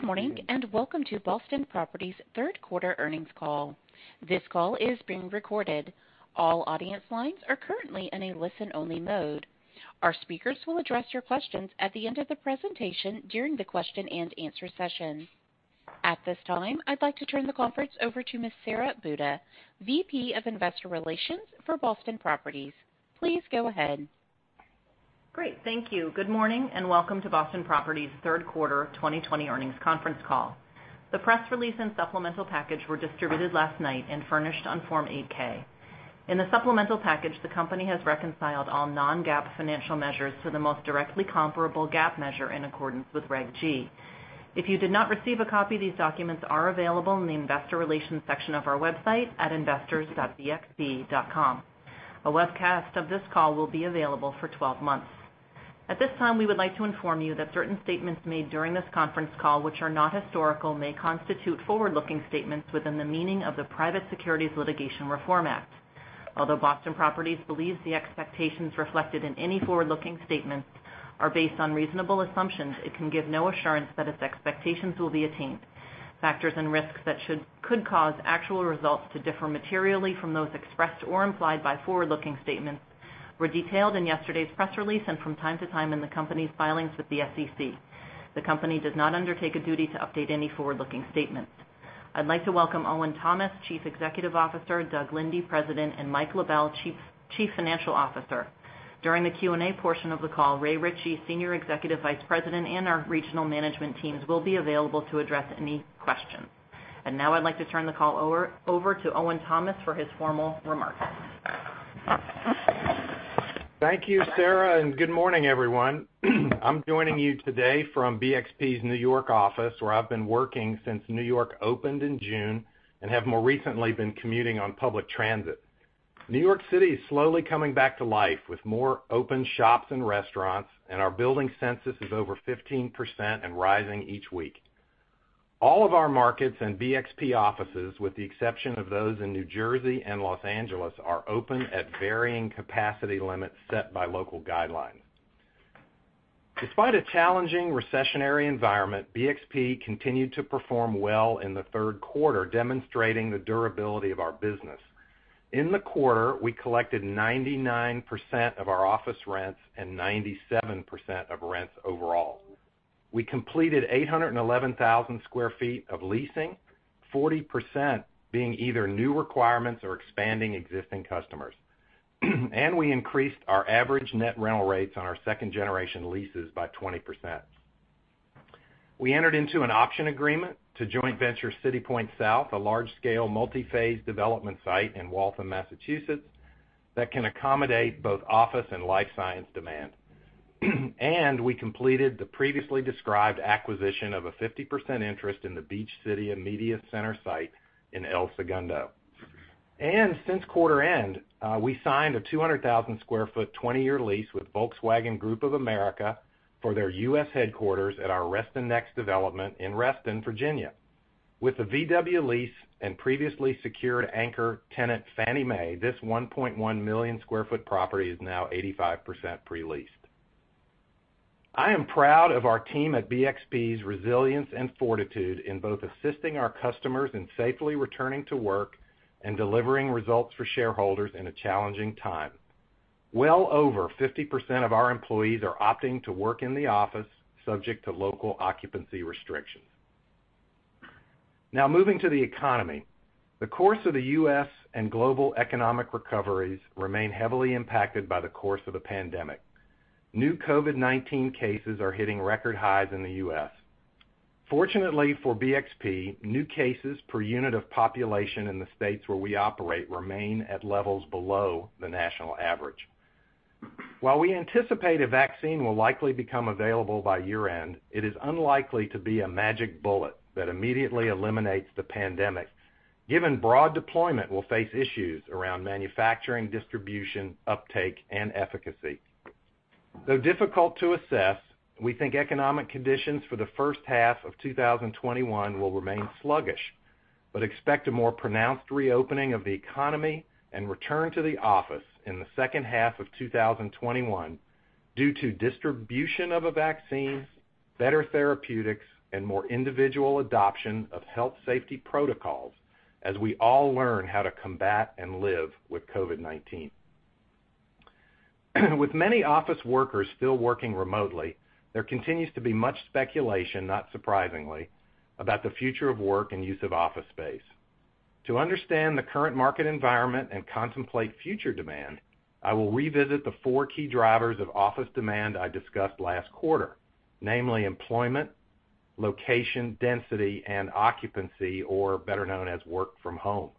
Good morning, and welcome to Boston Properties' third quarter earnings call. This call is being recorded. All audience lines are currently in a listen-only mode. Our speakers will address your questions at the end of the presentation during the question and answer session. At this time, I'd like to turn the conference over to Ms. Sara Buda, VP of Investor Relations for Boston Properties. Please go ahead. Great. Thank you. Good morning, and welcome to Boston Properties' third quarter 2020 earnings conference call. The press release and supplemental package were distributed last night and furnished on Form 8-K. In the supplemental package, the company has reconciled all non-GAAP financial measures to the most directly comparable GAAP measure in accordance with Reg G. If you did not receive a copy, these documents are available in the investor relations section of our website at investors.bxp.com. A webcast of this call will be available for 12 months. At this time, we would like to inform you that certain statements made during this conference call, which are not historical, may constitute forward-looking statements within the meaning of the Private Securities Litigation Reform Act. Although Boston Properties believes the expectations reflected in any forward-looking statements are based on reasonable assumptions, it can give no assurance that its expectations will be attained. Factors and risks that could cause actual results to differ materially from those expressed or implied by forward-looking statements were detailed in yesterday's press release and from time to time in the company's filings with the SEC. The company does not undertake a duty to update any forward-looking statements. I'd like to welcome Owen Thomas, Chief Executive Officer, Doug Linde, President, and Mike LaBelle, Chief Financial Officer. During the Q&A portion of the call, Ray Ritchie, Senior Executive Vice President, and our regional management teams will be available to address any questions. Now I'd like to turn the call over to Owen Thomas for his formal remarks. Thank you, Sara, good morning, everyone. I'm joining you today from BXP's New York office, where I've been working since New York opened in June and have more recently been commuting on public transit. New York City is slowly coming back to life with more open shops and restaurants, and our building census is over 15% and rising each week. All of our markets and BXP offices, with the exception of those in New Jersey and Los Angeles, are open at varying capacity limits set by local guidelines. Despite a challenging recessionary environment, BXP continued to perform well in the third quarter, demonstrating the durability of our business. In the quarter, we collected 99% of our office rents and 97% of rents overall. We completed 811,000 sq ft of leasing, 40% being either new requirements or expanding existing customers. We increased our average net rental rates on our second-generation leases by 20%. We entered into an option agreement to joint venture CityPoint South, a large-scale multi-phase development site in Waltham, Massachusetts, that can accommodate both office and life science demand. We completed the previously described acquisition of a 50% interest in the Beach Cities Media Center site in El Segundo. Since quarter end, we signed a 200,000 sq ft 20-year lease with Volkswagen Group of America for their U.S. headquarters at our Reston Next development in Reston, Virginia. With the VW lease and previously secured anchor tenant Fannie Mae, this 1.1 million square foot property is now 85% pre-leased. I am proud of our team at BXP's resilience and fortitude in both assisting our customers in safely returning to work and delivering results for shareholders in a challenging time. Well over 50% of our employees are opting to work in the office, subject to local occupancy restrictions. Now moving to the economy. The course of the U.S. and global economic recoveries remain heavily impacted by the course of the pandemic. New COVID-19 cases are hitting record highs in the U.S. Fortunately for BXP, new cases per unit of population in the states where we operate remain at levels below the national average. While we anticipate a vaccine will likely become available by year-end, it is unlikely to be a magic bullet that immediately eliminates the pandemic, given broad deployment will face issues around manufacturing, distribution, uptake, and efficacy. Though difficult to assess, we think economic conditions for the first half of 2021 will remain sluggish, but expect a more pronounced reopening of the economy and return to the office in the second half of 2021 due to distribution of a vaccine, better therapeutics, and more individual adoption of health safety protocols as we all learn how to combat and live with COVID-19. With many office workers still working remotely, there continues to be much speculation, not surprisingly, about the future of work and use of office space. To understand the current market environment and contemplate future demand, I will revisit the four key drivers of office demand I discussed last quarter, namely employment, location, density, and occupancy, or better known as work from home.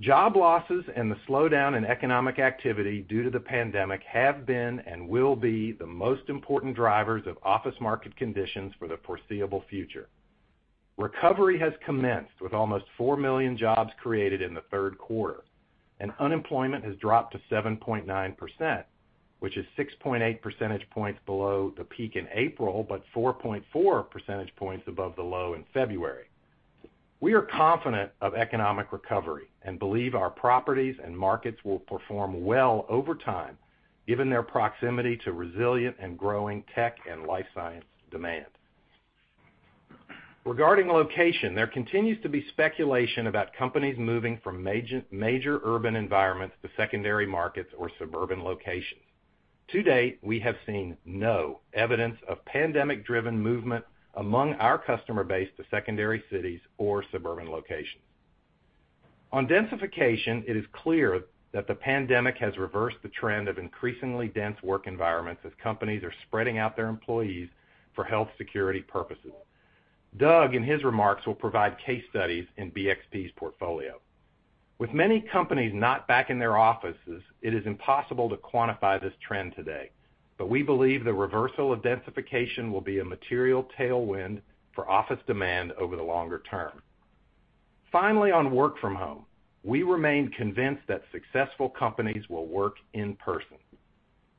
Job losses and the slowdown in economic activity due to the pandemic have been and will be the most important drivers of office market conditions for the foreseeable future. Recovery has commenced, with almost 4 million jobs created in the third quarter. Unemployment has dropped to 7.9%, which is 6.8 percentage points below the peak in April but 4.4 percentage points above the low in February. We are confident of economic recovery and believe our properties and markets will perform well over time, given their proximity to resilient and growing tech and life science demand. Regarding location, there continues to be speculation about companies moving from major urban environments to secondary markets or suburban locations. To date, we have seen no evidence of pandemic-driven movement among our customer base to secondary cities or suburban locations. On densification, it is clear that the pandemic has reversed the trend of increasingly dense work environments as companies are spreading out their employees for health security purposes. Doug, in his remarks, will provide case studies in BXP's portfolio. With many companies not back in their offices, it is impossible to quantify this trend today. We believe the reversal of densification will be a material tailwind for office demand over the longer term. Finally, on work from home, we remain convinced that successful companies will work in person.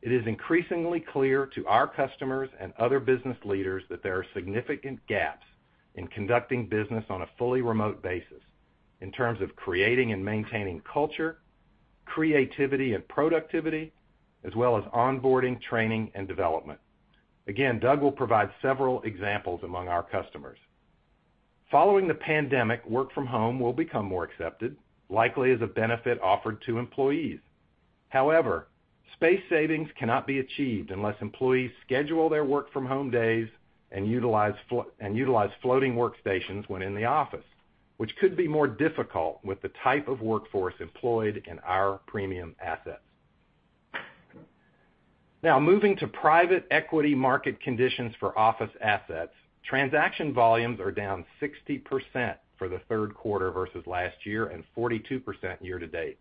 It is increasingly clear to our customers and other business leaders that there are significant gaps in conducting business on a fully remote basis in terms of creating and maintaining culture, creativity and productivity, as well as onboarding, training, and development. Again, Doug will provide several examples among our customers. Following the pandemic, work from home will become more accepted, likely as a benefit offered to employees. However, space savings cannot be achieved unless employees schedule their work from home days and utilize floating workstations when in the office, which could be more difficult with the type of workforce employed in our premium assets. Now, moving to private equity market conditions for office assets. Transaction volumes are down 60% for the third quarter versus last year and 42% year-to-date.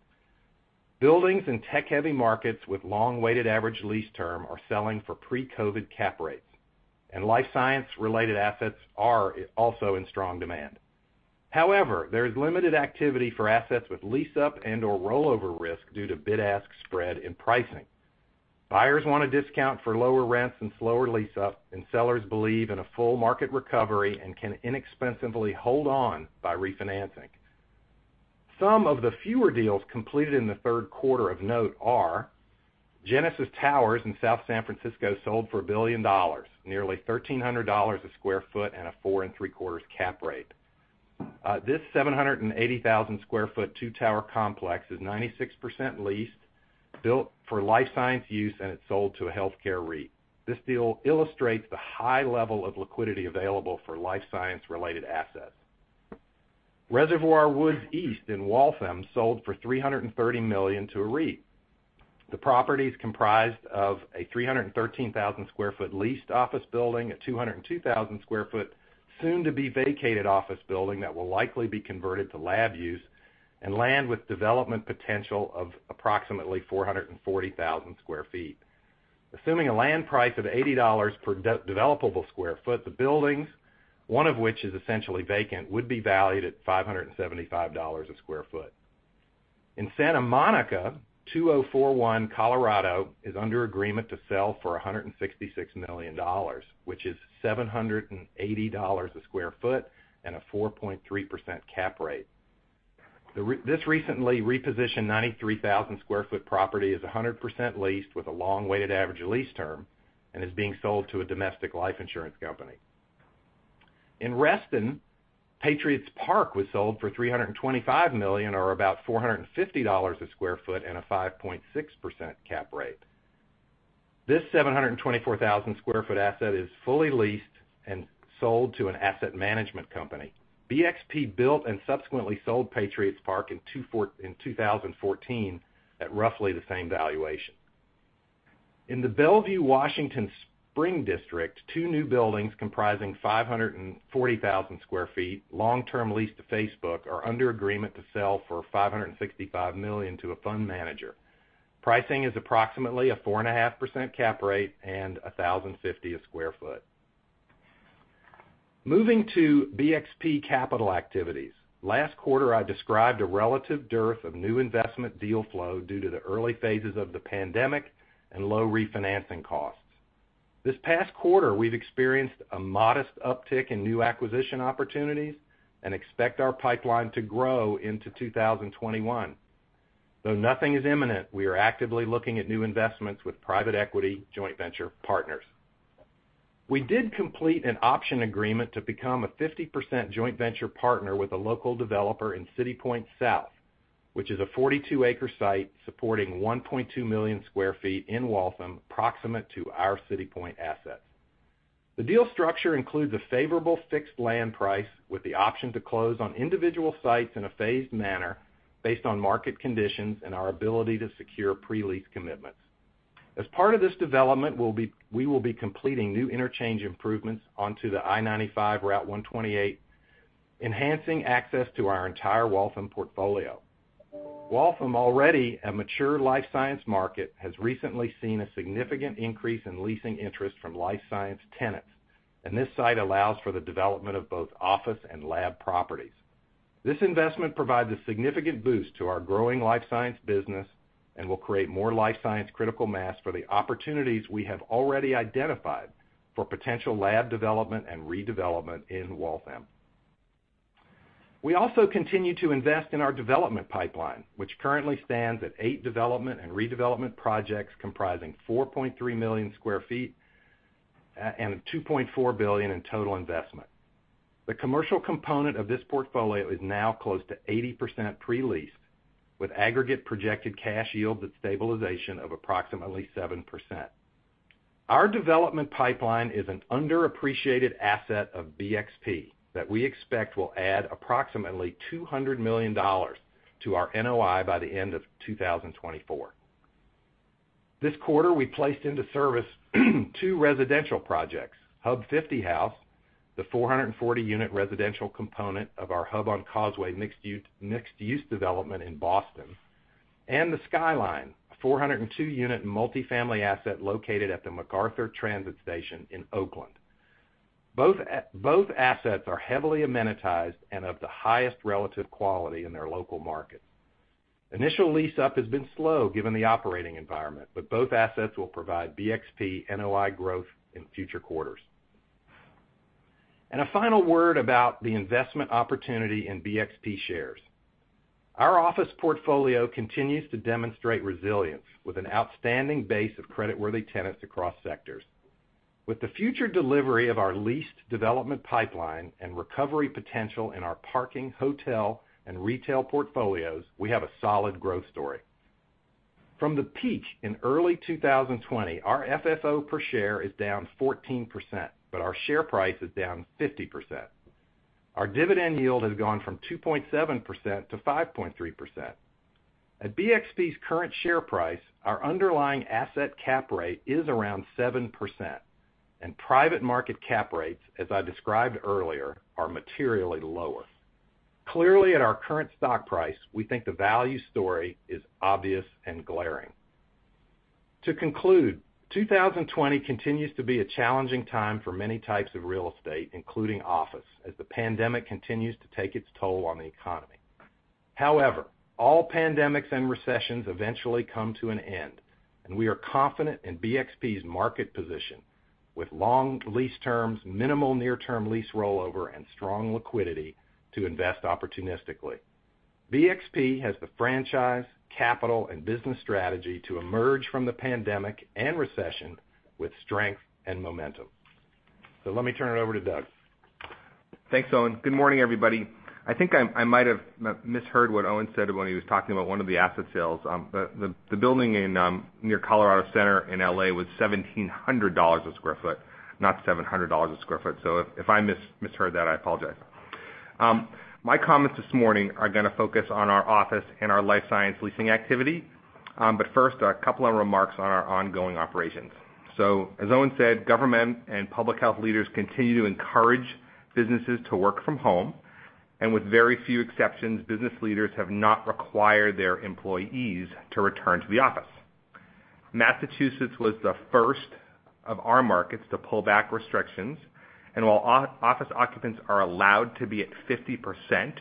Buildings in tech-heavy markets with long weighted average lease term are selling for pre-COVID cap rates, and life science-related assets are also in strong demand. However, there is limited activity for assets with lease-up and/or rollover risk due to bid-ask spread in pricing. Buyers want a discount for lower rents and slower lease up, and sellers believe in a full market recovery and can inexpensively hold on by refinancing. Some of the fewer deals completed in the third quarter of note are Genesis Towers in South San Francisco, sold for $1 billion, nearly $1,300 a sq ft and 4.75% cap rate. This 780,000 sq ft two-tower complex is 96% leased, built for life science use, and it sold to a healthcare REIT. Reservoir Woods East in Waltham sold for $330 million to a REIT. The property is comprised of a 313,000 sq ft leased office building, a 202,000 sq ft soon-to-be-vacated office building that will likely be converted to lab use, and land with development potential of approximately 440,000 sq ft. Assuming a land price of $80 per developable square foot, the buildings, one of which is essentially vacant, would be valued at $575 a sq ft. In Santa Monica, 2041 Colorado is under agreement to sell for $166 million, which is $780 a sq ft and a 4.3% cap rate. This recently repositioned 93,000 sq ft property is 100% leased with a long weighted average lease term and is being sold to a domestic life insurance company. In Reston, Patriots Park was sold for $325 million, or about $450 a sq ft and a 5.6% cap rate. This 724,000 sq ft asset is fully leased and sold to an asset management company. BXP built and subsequently sold Patriots Park in 2014 at roughly the same valuation. In the Bellevue, Washington Spring District, two new buildings comprising 540,000 sq ft, long-term leased to Facebook, are under agreement to sell for $565 million to a fund manager. Pricing is approximately a 4.5% cap rate and $1,050 a sq ft. Moving to BXP capital activities. Last quarter, I described a relative dearth of new investment deal flow due to the early phases of the pandemic and low refinancing costs. This past quarter, we've experienced a modest uptick in new acquisition opportunities and expect our pipeline to grow into 2021. Though nothing is imminent, we are actively looking at new investments with private equity joint venture partners. We did complete an option agreement to become a 50% joint venture partner with a local developer in CityPoint South, which is a 42-acre site supporting 1.2 million square feet in Waltham, proximate to our CityPoint assets. The deal structure includes a favorable fixed land price with the option to close on individual sites in a phased manner based on market conditions and our ability to secure pre-lease commitments. As part of this development, we will be completing new interchange improvements onto the I-95/Route 128, enhancing access to our entire Waltham portfolio. Waltham, already a mature life science market, has recently seen a significant increase in leasing interest from life science tenants, and this site allows for the development of both office and lab properties. This investment provides a significant boost to our growing life science business and will create more life science critical mass for the opportunities we have already identified for potential lab development and redevelopment in Waltham. We also continue to invest in our development pipeline, which currently stands at eight development and redevelopment projects comprising 4.3 million square feet and $2.4 billion in total investment. The commercial component of this portfolio is now close to 80% pre-leased, with aggregate projected cash yield at stabilization of approximately 7%. Our development pipeline is an underappreciated asset of BXP that we expect will add approximately $200 million to our NOI by the end of 2024. This quarter, we placed into service two residential projects, Hub50House, the 440-unit residential component of our Hub on Causeway mixed use development in Boston, and The Skyline, a 402-unit multifamily asset located at the MacArthur transit station in Oakland. Both assets are heavily amenitized and of the highest relative quality in their local markets. Initial lease-up has been slow given the operating environment, but both assets will provide BXP NOI growth in future quarters. A final word about the investment opportunity in BXP shares. Our office portfolio continues to demonstrate resilience with an outstanding base of creditworthy tenants across sectors. With the future delivery of our leased development pipeline and recovery potential in our parking, hotel, and retail portfolios, we have a solid growth story. From the peak in early 2020, our FFO per share is down 14%, but our share price is down 50%. Our dividend yield has gone from 2.7%-5.3%. At BXP's current share price, our underlying asset cap rate is around 7%, and private market cap rates, as I described earlier, are materially lower. Clearly, at our current stock price, we think the value story is obvious and glaring. To conclude, 2020 continues to be a challenging time for many types of real estate, including office, as the pandemic continues to take its toll on the economy. All pandemics and recessions eventually come to an end, and we are confident in BXP's market position with long lease terms, minimal near-term lease rollover, and strong liquidity to invest opportunistically. BXP has the franchise, capital, and business strategy to emerge from the pandemic and recession with strength and momentum. Let me turn it over to Doug. Thanks, Owen. Good morning, everybody. I think I might have misheard what Owen said when he was talking about one of the asset sales. The building near Colorado Center in L.A. was $1,700 a sq ft, not $700 a sq ft. If I misheard that, I apologize. My comments this morning are going to focus on our office and our life science leasing activity. First, a couple of remarks on our ongoing operations. As Owen said, government and public health leaders continue to encourage businesses to work from home. With very few exceptions, business leaders have not required their employees to return to the office. Massachusetts was the first of our markets to pull back restrictions, and while office occupants are allowed to be at 50%,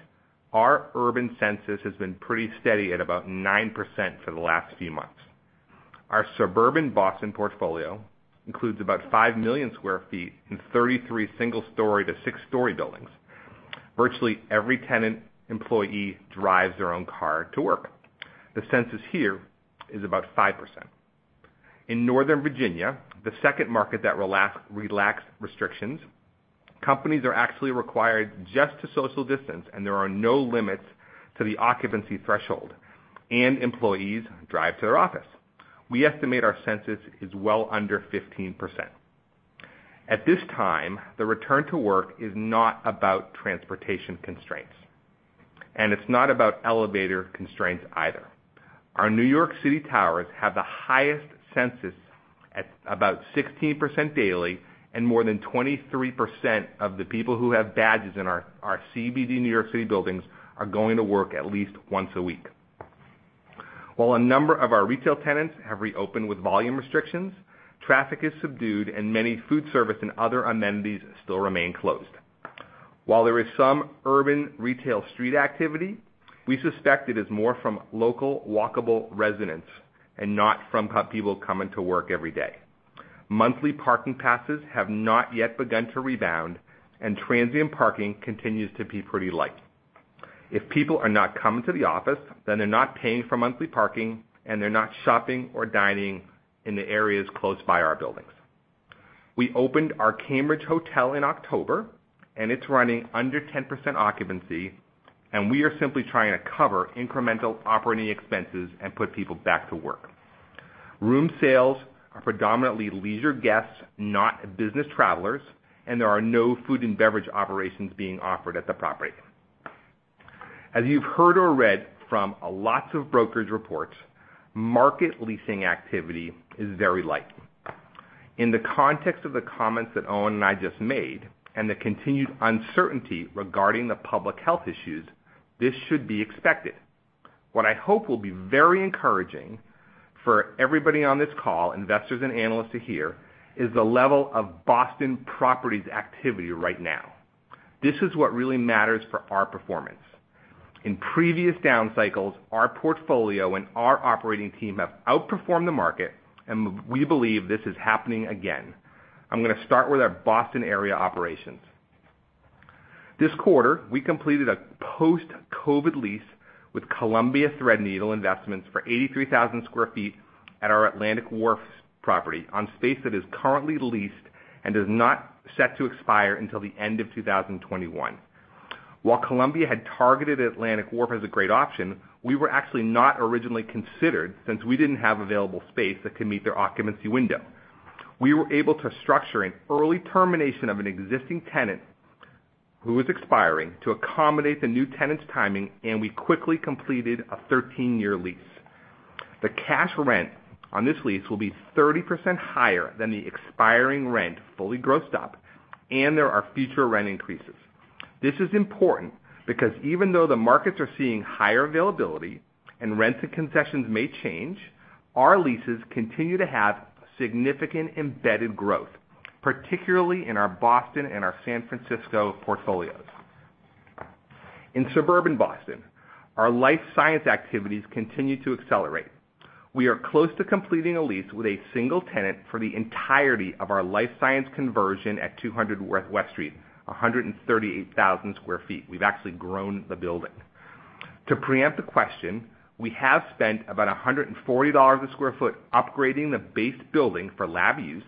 our urban census has been pretty steady at about 9% for the last few months. Our suburban Boston portfolio includes about 5 million square feet in 33 single-story to six-story buildings. Virtually every tenant employee drives their own car to work. The census here is about 5%. In Northern Virginia, the second market that relaxed restrictions, companies are actually required just to social distance. There are no limits to the occupancy threshold. Employees drive to their office. We estimate our census is well under 15%. At this time, the return to work is not about transportation constraints. It's not about elevator constraints either. Our New York City towers have the highest census at about 16% daily. More than 23% of the people who have badges in our CBD New York City buildings are going to work at least once a week. While a number of our retail tenants have reopened with volume restrictions, traffic is subdued and many food service and other amenities still remain closed. While there is some urban retail street activity, we suspect it is more from local walkable residents and not from people coming to work every day. Monthly parking passes have not yet begun to rebound, and transient parking continues to be pretty light. If people are not coming to the office, then they're not paying for monthly parking, and they're not shopping or dining in the areas close by our buildings. We opened our Cambridge hotel in October, and it's running under 10% occupancy, and we are simply trying to cover incremental operating expenses and put people back to work. Room sales are predominantly leisure guests, not business travelers, and there are no food and beverage operations being offered at the property. As you've heard or read from lots of brokers' reports, market leasing activity is very light. In the context of the comments that Owen and I just made and the continued uncertainty regarding the public health issues, this should be expected. What I hope will be very encouraging for everybody on this call, investors and analysts are here, is the level of Boston Properties activity right now. This is what really matters for our performance. In previous down cycles, our portfolio and our operating team have outperformed the market, and we believe this is happening again. I'm going to start with our Boston area operations. This quarter, we completed a post-COVID lease with Columbia Threadneedle Investments for 83,000 sq ft at our Atlantic Wharf's property on space that is currently leased and is not set to expire until the end of 2021. Columbia had targeted Atlantic Wharf as a great option, we were actually not originally considered since we didn't have available space that could meet their occupancy window. We were able to structure an early termination of an existing tenant who was expiring to accommodate the new tenant's timing, we quickly completed a 13-year lease. The cash rent on this lease will be 30% higher than the expiring rent fully grossed up, there are future rent increases. This is important because even though the markets are seeing higher availability and rent and concessions may change, our leases continue to have significant embedded growth, particularly in our Boston and our San Francisco portfolios. In suburban Boston, our life science activities continue to accelerate. We are close to completing a lease with a single tenant for the entirety of our life science conversion at 200 West Street, 138,000 sq ft. We've actually grown the building. To preempt the question, we have spent about $140 a sq ft upgrading the base building for lab use,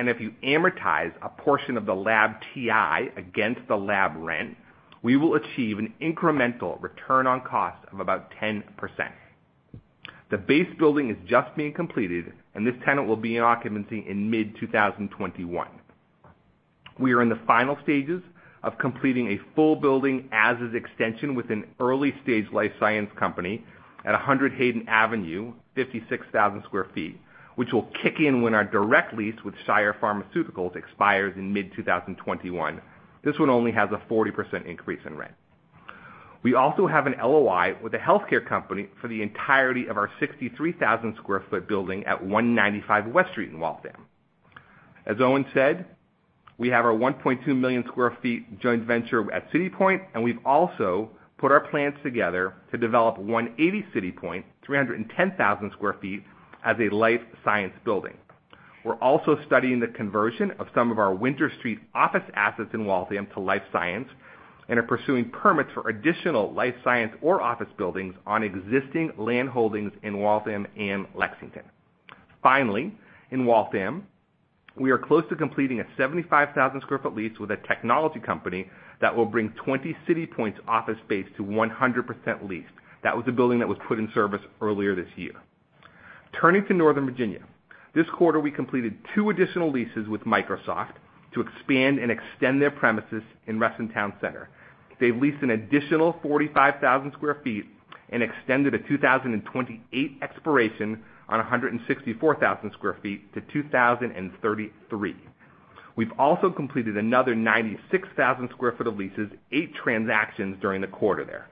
and if you amortize a portion of the lab TI against the lab rent, we will achieve an incremental return on cost of about 10%. The base building is just being completed, and this tenant will be in occupancy in mid-2021. We are in the final stages of completing a full building as-is extension with an early-stage life science company at 100 Hayden Avenue, 56,000 sq ft, which will kick in when our direct lease with Shire Pharmaceuticals expires in mid-2021. This one only has a 40% increase in rent. We also have an LOI with a healthcare company for the entirety of our 63,000 sq ft building at 195 West Street in Waltham. As Owen said, we have our 1.2 million square feet joint venture at CityPoint, and we've also put our plans together to develop 180 CityPoint, 310,000 sq ft, as a life science building. We're also studying the conversion of some of our Winter Street office assets in Waltham to life science and are pursuing permits for additional life science or office buildings on existing land holdings in Waltham and Lexington. Finally, in Waltham, we are close to completing a 75,000 sq ft lease with a technology company that will bring 20 CityPoint's office space to 100% leased. That was the building that was put in service earlier this year. Turning to Northern Virginia. This quarter, we completed two additional leases with Microsoft to expand and extend their premises in Reston Town Center. They've leased an additional 45,000 sq ft and extended a 2028 expiration on 164,000 sq ft to 2033. We've also completed another 96,000 sq ft of leases, eight transactions during the quarter there.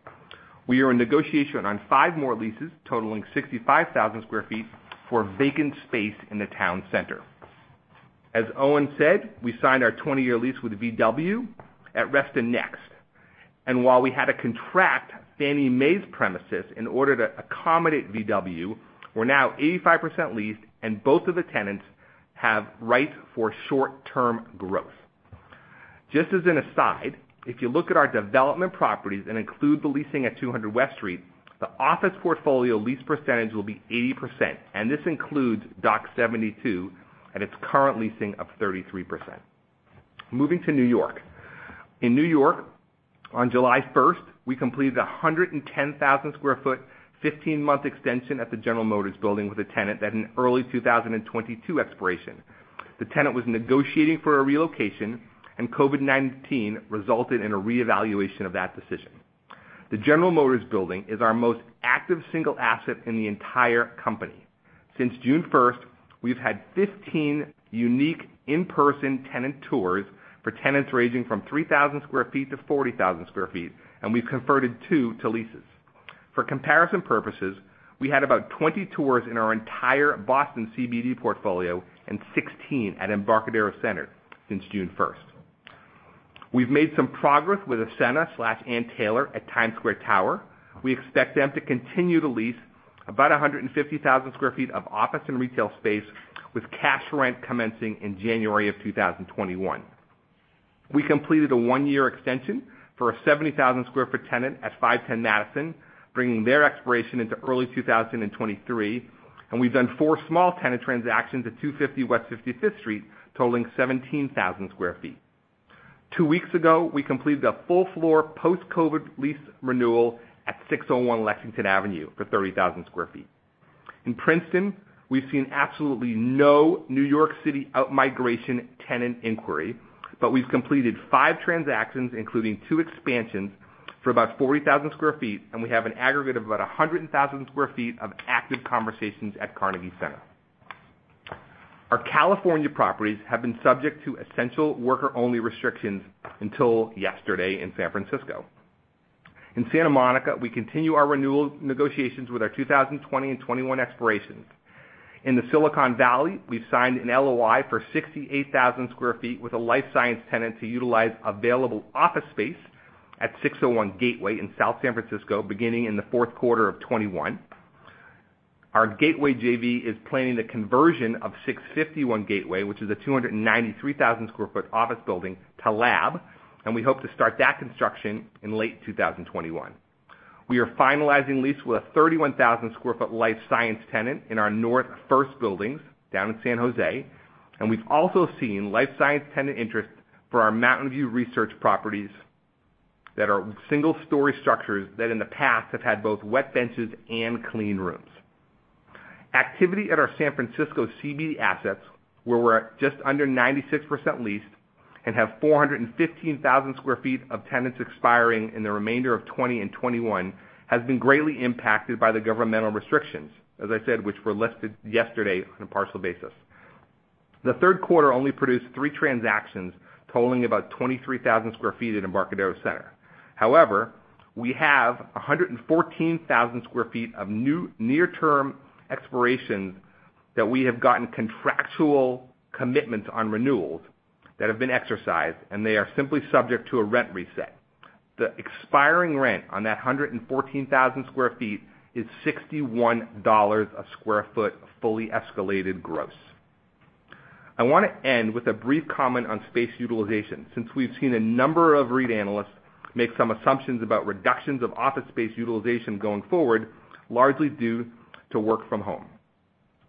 We are in negotiation on five more leases totaling 65,000 sq ft for vacant space in the town center. As Owen said, we signed our 20-year lease with VW at Reston Next. And while we had to contract Fannie Mae's premises in order to accommodate VW, we're now 85% leased, and both of the tenants have rights for short-term growth. Just as an aside, if you look at our development properties and include the leasing at 200 West Street, the office portfolio lease percentage will be 80%, and this includes Dock 72 at its current leasing of 33%. Moving to New York. In New York, on July 1st, we completed 110,000 sq ft, 15-month extension at the General Motors Building with a tenant at an early 2022 expiration. The tenant was negotiating for a relocation, and COVID-19 resulted in a reevaluation of that decision. The General Motors Building is our most active single asset in the entire company. Since June 1st, we've had 15 unique in-person tenant tours for tenants ranging from 3,000 sq ft to 40,000 sq ft, and we've converted two to leases. For comparison purposes, we had about 20 tours in our entire Boston CBD portfolio and 16 at Embarcadero Center since June 1st. We've made some progress with Ascena/Ann Taylor at Times Square Tower. We expect them to continue to lease about 150,000 sq ft of office and retail space, with cash rent commencing in January of 2021. We completed a one-year extension for a 70,000-sq ft tenant at 510 Madison, bringing their expiration into early 2023. We've done four small tenant transactions at 250 West 55th Street totaling 17,000 sq ft. Two weeks ago, we completed a full floor post-COVID lease renewal at 601 Lexington Avenue for 30,000 sq ft. In Princeton, we've seen absolutely no New York City out-migration tenant inquiry. We've completed five transactions, including two expansions for about 40,000 sq ft. We have an aggregate of about 100,000 sq ft of active conversations at Carnegie Center. Our California properties have been subject to essential worker-only restrictions until yesterday in San Francisco. In Santa Monica, we continue our renewal negotiations with our 2020 and 2021 expirations. In the Silicon Valley, we've signed an LOI for 68,000 sq ft with a life science tenant to utilize available office space at 601 Gateway in South San Francisco, beginning in the fourth quarter of 2021. Our Gateway JV is planning the conversion of 651 Gateway, which is a 293,000 sq ft office building, to lab. We hope to start that construction in late 2021. We are finalizing lease with a 31,000 sq ft life science tenant in our North First buildings down in San Jose. We've also seen life science tenant interest for our Mountain View research properties that are single-story structures that in the past have had both wet benches and clean rooms. Activity at our San Francisco CBD assets, where we're at just under 96% leased and have 415,000 sq ft of tenants expiring in the remainder of 2020 and 2021, has been greatly impacted by the governmental restrictions, as I said, which were lifted yesterday on a partial basis. The third quarter only produced three transactions totaling about 23,000 sq ft at Embarcadero Center. We have 114,000 sq ft of near-term expirations that we have gotten contractual commitments on renewals that have been exercised, and they are simply subject to a rent reset. The expiring rent on that 114,000 sq ft is $61 a sq ft, fully escalated gross. I want to end with a brief comment on space utilization, since we've seen a number of REIT analysts make some assumptions about reductions of office space utilization going forward, largely due to work from home.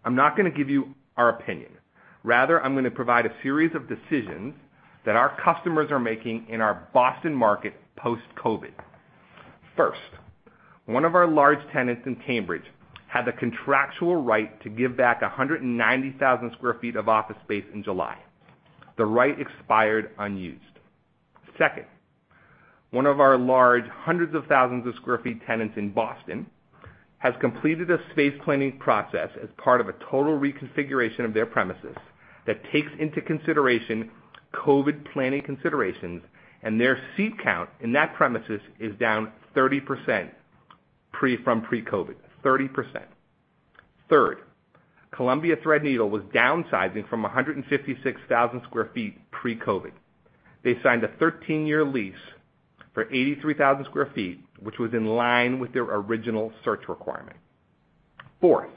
I'm not going to give you our opinion. Rather, I'm going to provide a series of decisions that our customers are making in our Boston market post-COVID-19. First, one of our large tenants in Cambridge had the contractual right to give back 190,000 sq ft of office space in July. The right expired unused. Second, one of our large hundreds of thousands of square feet tenants in Boston has completed a space planning process as part of a total reconfiguration of their premises that takes into consideration COVID-19 planning considerations and their seat count in that premises is down 30% from pre-COVID-19, 30%. Third, Columbia Threadneedle Investments was downsizing from 156,000 sq ft pre-COVID-19. They signed a 13-year lease for 83,000 sq ft, which was in line with their original search requirement. Fourth,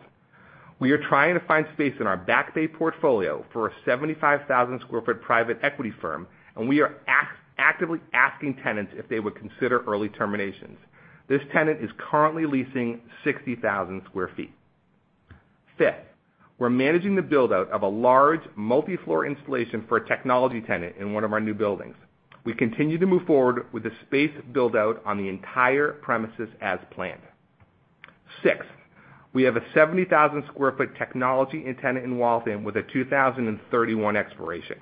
we are trying to find space in our Back Bay portfolio for a 75,000 sq ft private equity firm, and we are actively asking tenants if they would consider early terminations. This tenant is currently leasing 60,000 sq ft. Fifth, we're managing the build-out of a large multi-floor installation for a technology tenant in one of our new buildings. We continue to move forward with the space build-out on the entire premises as planned. Six, we have a 70,000 sq ft technology tenant in Waltham with a 2031 expiration.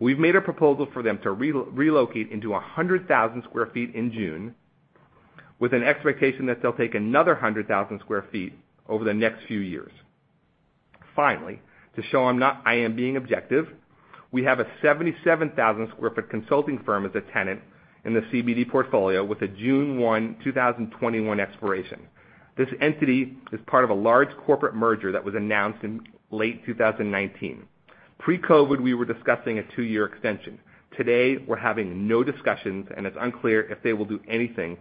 We've made a proposal for them to relocate into 100,000 sq ft in June with an expectation that they'll take another 100,000 sq ft over the next few years. Finally, to show I am being objective, we have a 77,000 sq ft consulting firm as a tenant in the CBD portfolio with a June 1, 2021, expiration. This entity is part of a large corporate merger that was announced in late 2019. Pre-COVID, we were discussing a two-year extension. Today, we're having no discussions, and it's unclear if they will do anything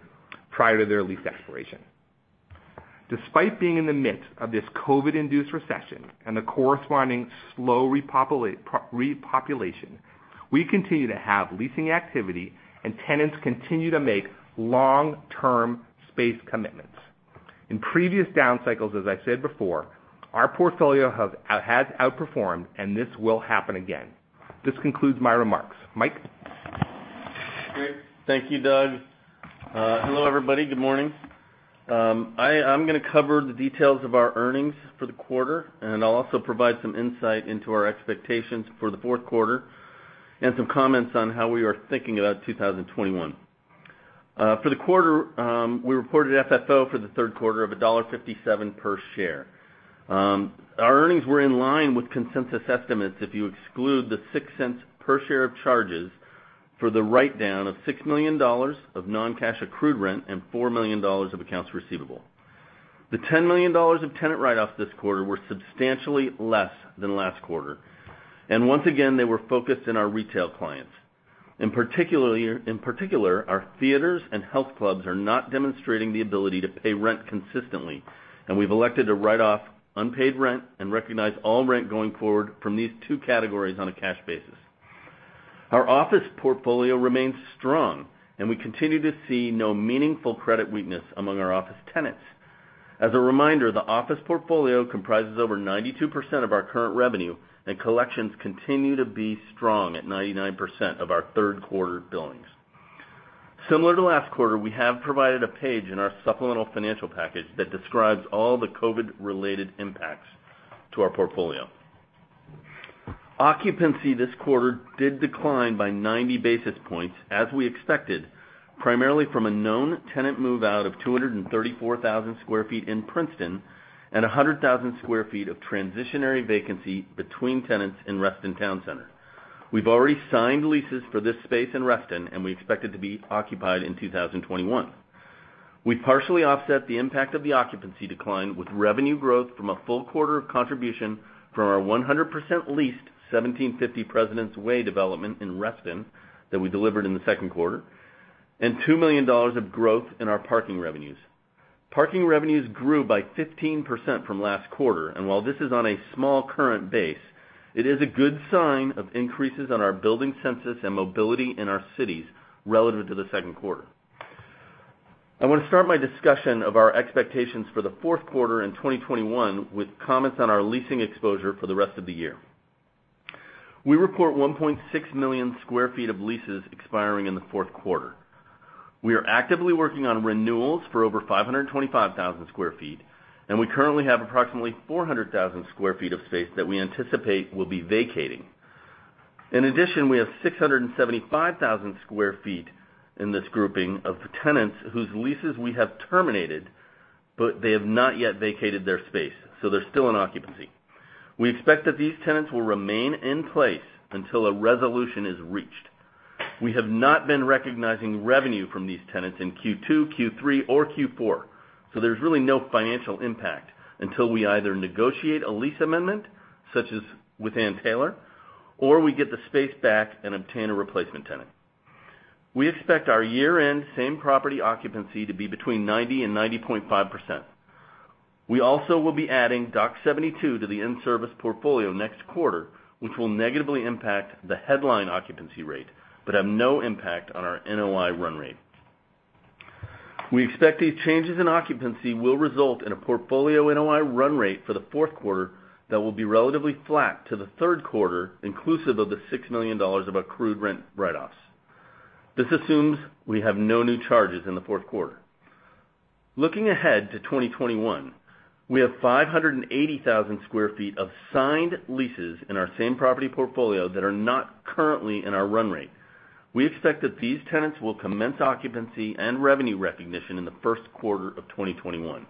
prior to their lease expiration. Despite being in the midst of this COVID-induced recession and the corresponding slow repopulation, we continue to have leasing activity, and tenants continue to make long-term space commitments. In previous down cycles, as I said before, our portfolio has outperformed, and this will happen again. This concludes my remarks. Mike? Great. Thank you, Doug. Hello, everybody. Good morning. I'm going to cover the details of our earnings for the quarter, and I'll also provide some insight into our expectations for the fourth quarter and some comments on how we are thinking about 2021. For the quarter, we reported FFO for the third quarter of $1.57 per share. Our earnings were in line with consensus estimates if you exclude the $0.06 per share of charges for the write-down of $6 million of non-cash accrued rent and $4 million of accounts receivable. The $10 million of tenant write-offs this quarter were substantially less than last quarter, and once again, they were focused on our retail clients. In particular, our theaters and health clubs are not demonstrating the ability to pay rent consistently, and we've elected to write off unpaid rent and recognize all rent going forward from these two categories on a cash basis. Our office portfolio remains strong, and we continue to see no meaningful credit weakness among our office tenants. As a reminder, the office portfolio comprises over 92% of our current revenue, and collections continue to be strong at 99% of our third-quarter billings. Similar to last quarter, we have provided a page in our supplemental financial package that describes all the COVID-related impacts to our portfolio. Occupancy this quarter did decline by 90 basis points, as we expected, primarily from a known tenant move-out of 234,000 sq ft in Princeton and 100,000 sq ft of transitionary vacancy between tenants in Reston Town Center. We've already signed leases for this space in Reston, and we expect it to be occupied in 2021. We partially offset the impact of the occupancy decline with revenue growth from a full quarter of contribution from our 100% leased 1750 Presidents Way development in Reston that we delivered in the second quarter, and $2 million of growth in our parking revenues. Parking revenues grew by 15% from last quarter, and while this is on a small current base, it is a good sign of increases on our building census and mobility in our cities relative to the second quarter. I want to start my discussion of our expectations for the fourth quarter in 2021 with comments on our leasing exposure for the rest of the year. We report 1.6 million square feet of leases expiring in the fourth quarter. We are actively working on renewals for over 525,000 sq ft, and we currently have approximately 400,000 sq ft of space that we anticipate will be vacating. In addition, we have 675,000 sq ft in this grouping of tenants whose leases we have terminated, but they have not yet vacated their space, so they're still in occupancy. We expect that these tenants will remain in place until a resolution is reached. We have not been recognizing revenue from these tenants in Q2, Q3, or Q4, so there's really no financial impact until we either negotiate a lease amendment, such as with Ann Taylor, or we get the space back and obtain a replacement tenant. We expect our year-end same property occupancy to be between 90% and 90.5%. We also will be adding Dock 72 to the in-service portfolio next quarter, which will negatively impact the headline occupancy rate but have no impact on our NOI run rate. We expect these changes in occupancy will result in a portfolio NOI run rate for the fourth quarter that will be relatively flat to the third quarter, inclusive of the $6 million of accrued rent write-offs. This assumes we have no new charges in the fourth quarter. Looking ahead to 2021, we have 580,000 sq ft of signed leases in our same property portfolio that are not currently in our run rate. We expect that these tenants will commence occupancy and revenue recognition in the first quarter of 2021.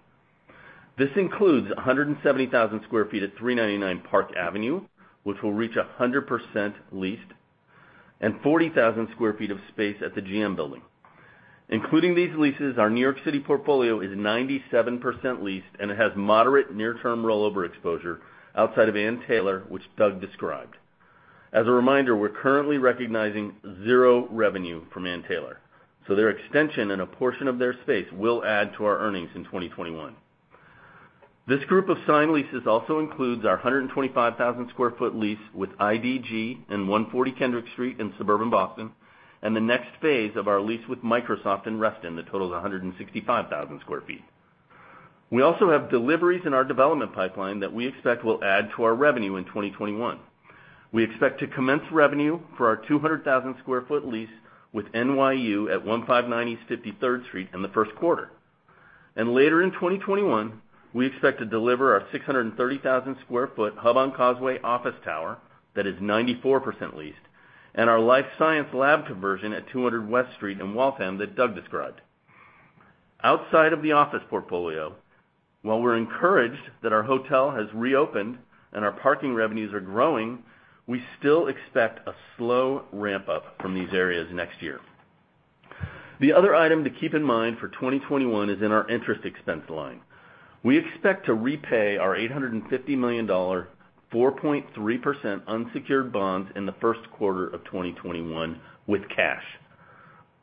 This includes 170,000 sq ft at 399 Park Avenue, which will reach 100% leased, and 40,000 sq ft of space at the GM Building. Including these leases, our New York City portfolio is 97% leased and it has moderate near-term rollover exposure outside of Ann Taylor, which Doug described. As a reminder, we are currently recognizing zero revenue from Ann Taylor, so their extension and a portion of their space will add to our earnings in 2021. This group of signed leases also includes our 125,000 sq ft lease with IDG in 140 Kendrick Street in suburban Boston, and the next phase of our lease with Microsoft in Reston that totals 165,000 sq ft. We also have deliveries in our development pipeline that we expect will add to our revenue in 2021. We expect to commence revenue for our 200,000 sq ft lease with NYU at 159 East 53rd Street in the first quarter. Later in 2021, we expect to deliver our 630,000 sq ft Hub on Causeway office tower that is 94% leased, and our life science lab conversion at 200 West Street in Waltham that Doug described. Outside of the office portfolio, while we're encouraged that our hotel has reopened and our parking revenues are growing, we still expect a slow ramp-up from these areas next year. The other item to keep in mind for 2021 is in our interest expense line. We expect to repay our $850 million 4.3% unsecured bonds in the first quarter of 2021 with cash.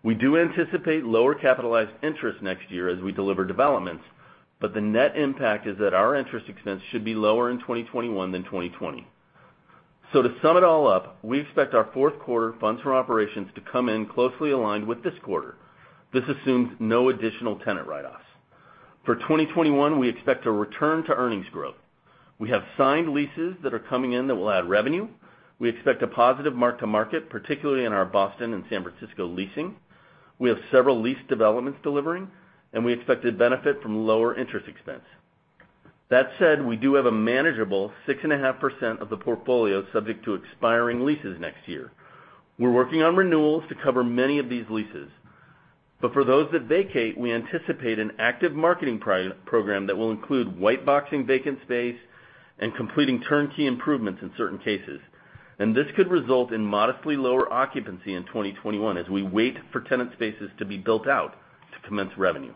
We do anticipate lower capitalized interest next year as we deliver developments, but the net impact is that our interest expense should be lower in 2021 than 2020. To sum it all up, we expect our fourth quarter funds for operations to come in closely aligned with this quarter. This assumes no additional tenant write-offs. For 2021, we expect to return to earnings growth. We have signed leases that are coming in that will add revenue. We expect a positive mark-to-market, particularly in our Boston and San Francisco leasing. We have several lease developments delivering. We expect to benefit from lower interest expense. That said, we do have a manageable 6.5% of the portfolio subject to expiring leases next year. We're working on renewals to cover many of these leases. For those that vacate, we anticipate an active marketing program that will include white boxing vacant space and completing turnkey improvements in certain cases. This could result in modestly lower occupancy in 2021 as we wait for tenant spaces to be built out to commence revenue.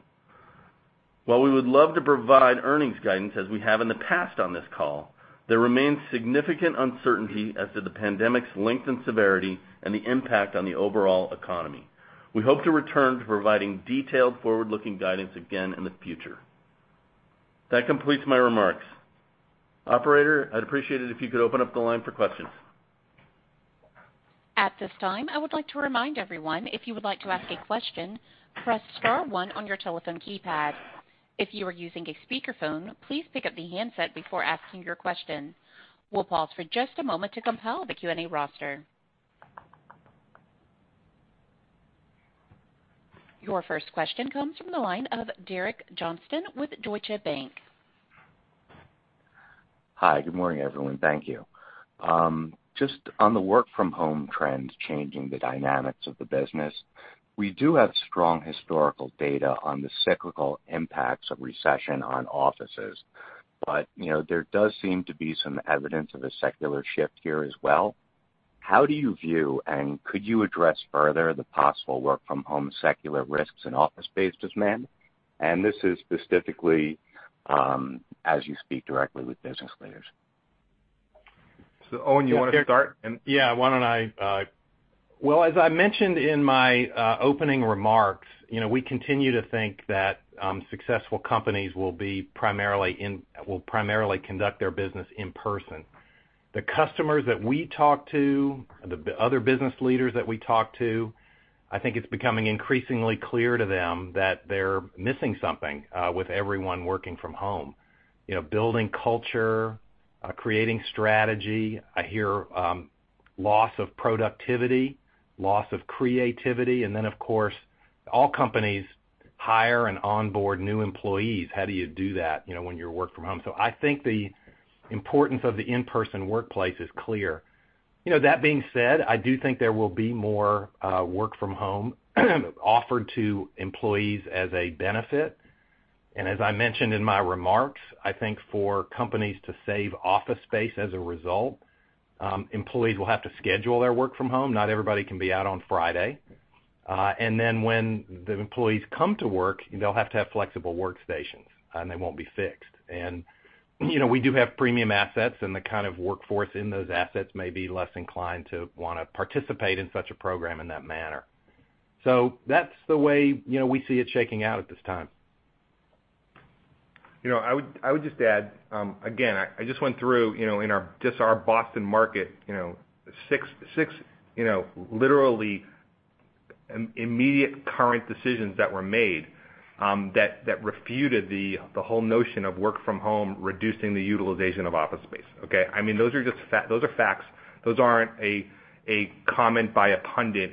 While we would love to provide earnings guidance as we have in the past on this call, there remains significant uncertainty as to the pandemic's length and severity and the impact on the overall economy. We hope to return to providing detailed forward-looking guidance again in the future. That completes my remarks. Operator, I'd appreciate it if you could open up the line for questions. At this time I would like to remind everyone if you would like to ask a question press star one on your telephone keypad. If you are using speaker phone please pick up the handset before asking your question. We'll pause for just a moment to compile the Q&A roster. Your first question comes from the line of Derek Johnston with Deutsche Bank. Hi. Good morning, everyone. Thank you. Just on the work from home trend changing the dynamics of the business, we do have strong historical data on the cyclical impacts of recession on offices, there does seem to be some evidence of a secular shift here as well. How do you view, and could you address further, the possible work from home secular risks in office space demand? This is specifically as you speak directly with business leaders. Owen, you want to start? Well, as I mentioned in my opening remarks, we continue to think that successful companies will primarily conduct their business in person. The customers that we talk to, the other business leaders that we talk to, I think it's becoming increasingly clear to them that they're missing something with everyone working from home. Building culture, creating strategy. I hear loss of productivity, loss of creativity, then, of course, all companies hire and onboard new employees. How do you do that when you're work from home? I think the importance of the in-person workplace is clear. That being said, I do think there will be more work from home offered to employees as a benefit. As I mentioned in my remarks, I think for companies to save office space as a result, employees will have to schedule their work from home. Not everybody can be out on Friday. When the employees come to work, they'll have to have flexible workstations, and they won't be fixed. We do have premium assets, and the kind of workforce in those assets may be less inclined to want to participate in such a program in that manner. That's the way we see it shaking out at this time. I would just add, again, I just went through in just our Boston market, six literally immediate current decisions that were made that refuted the whole notion of work from home reducing the utilization of office space. Those are facts. Those aren't a comment by a pundit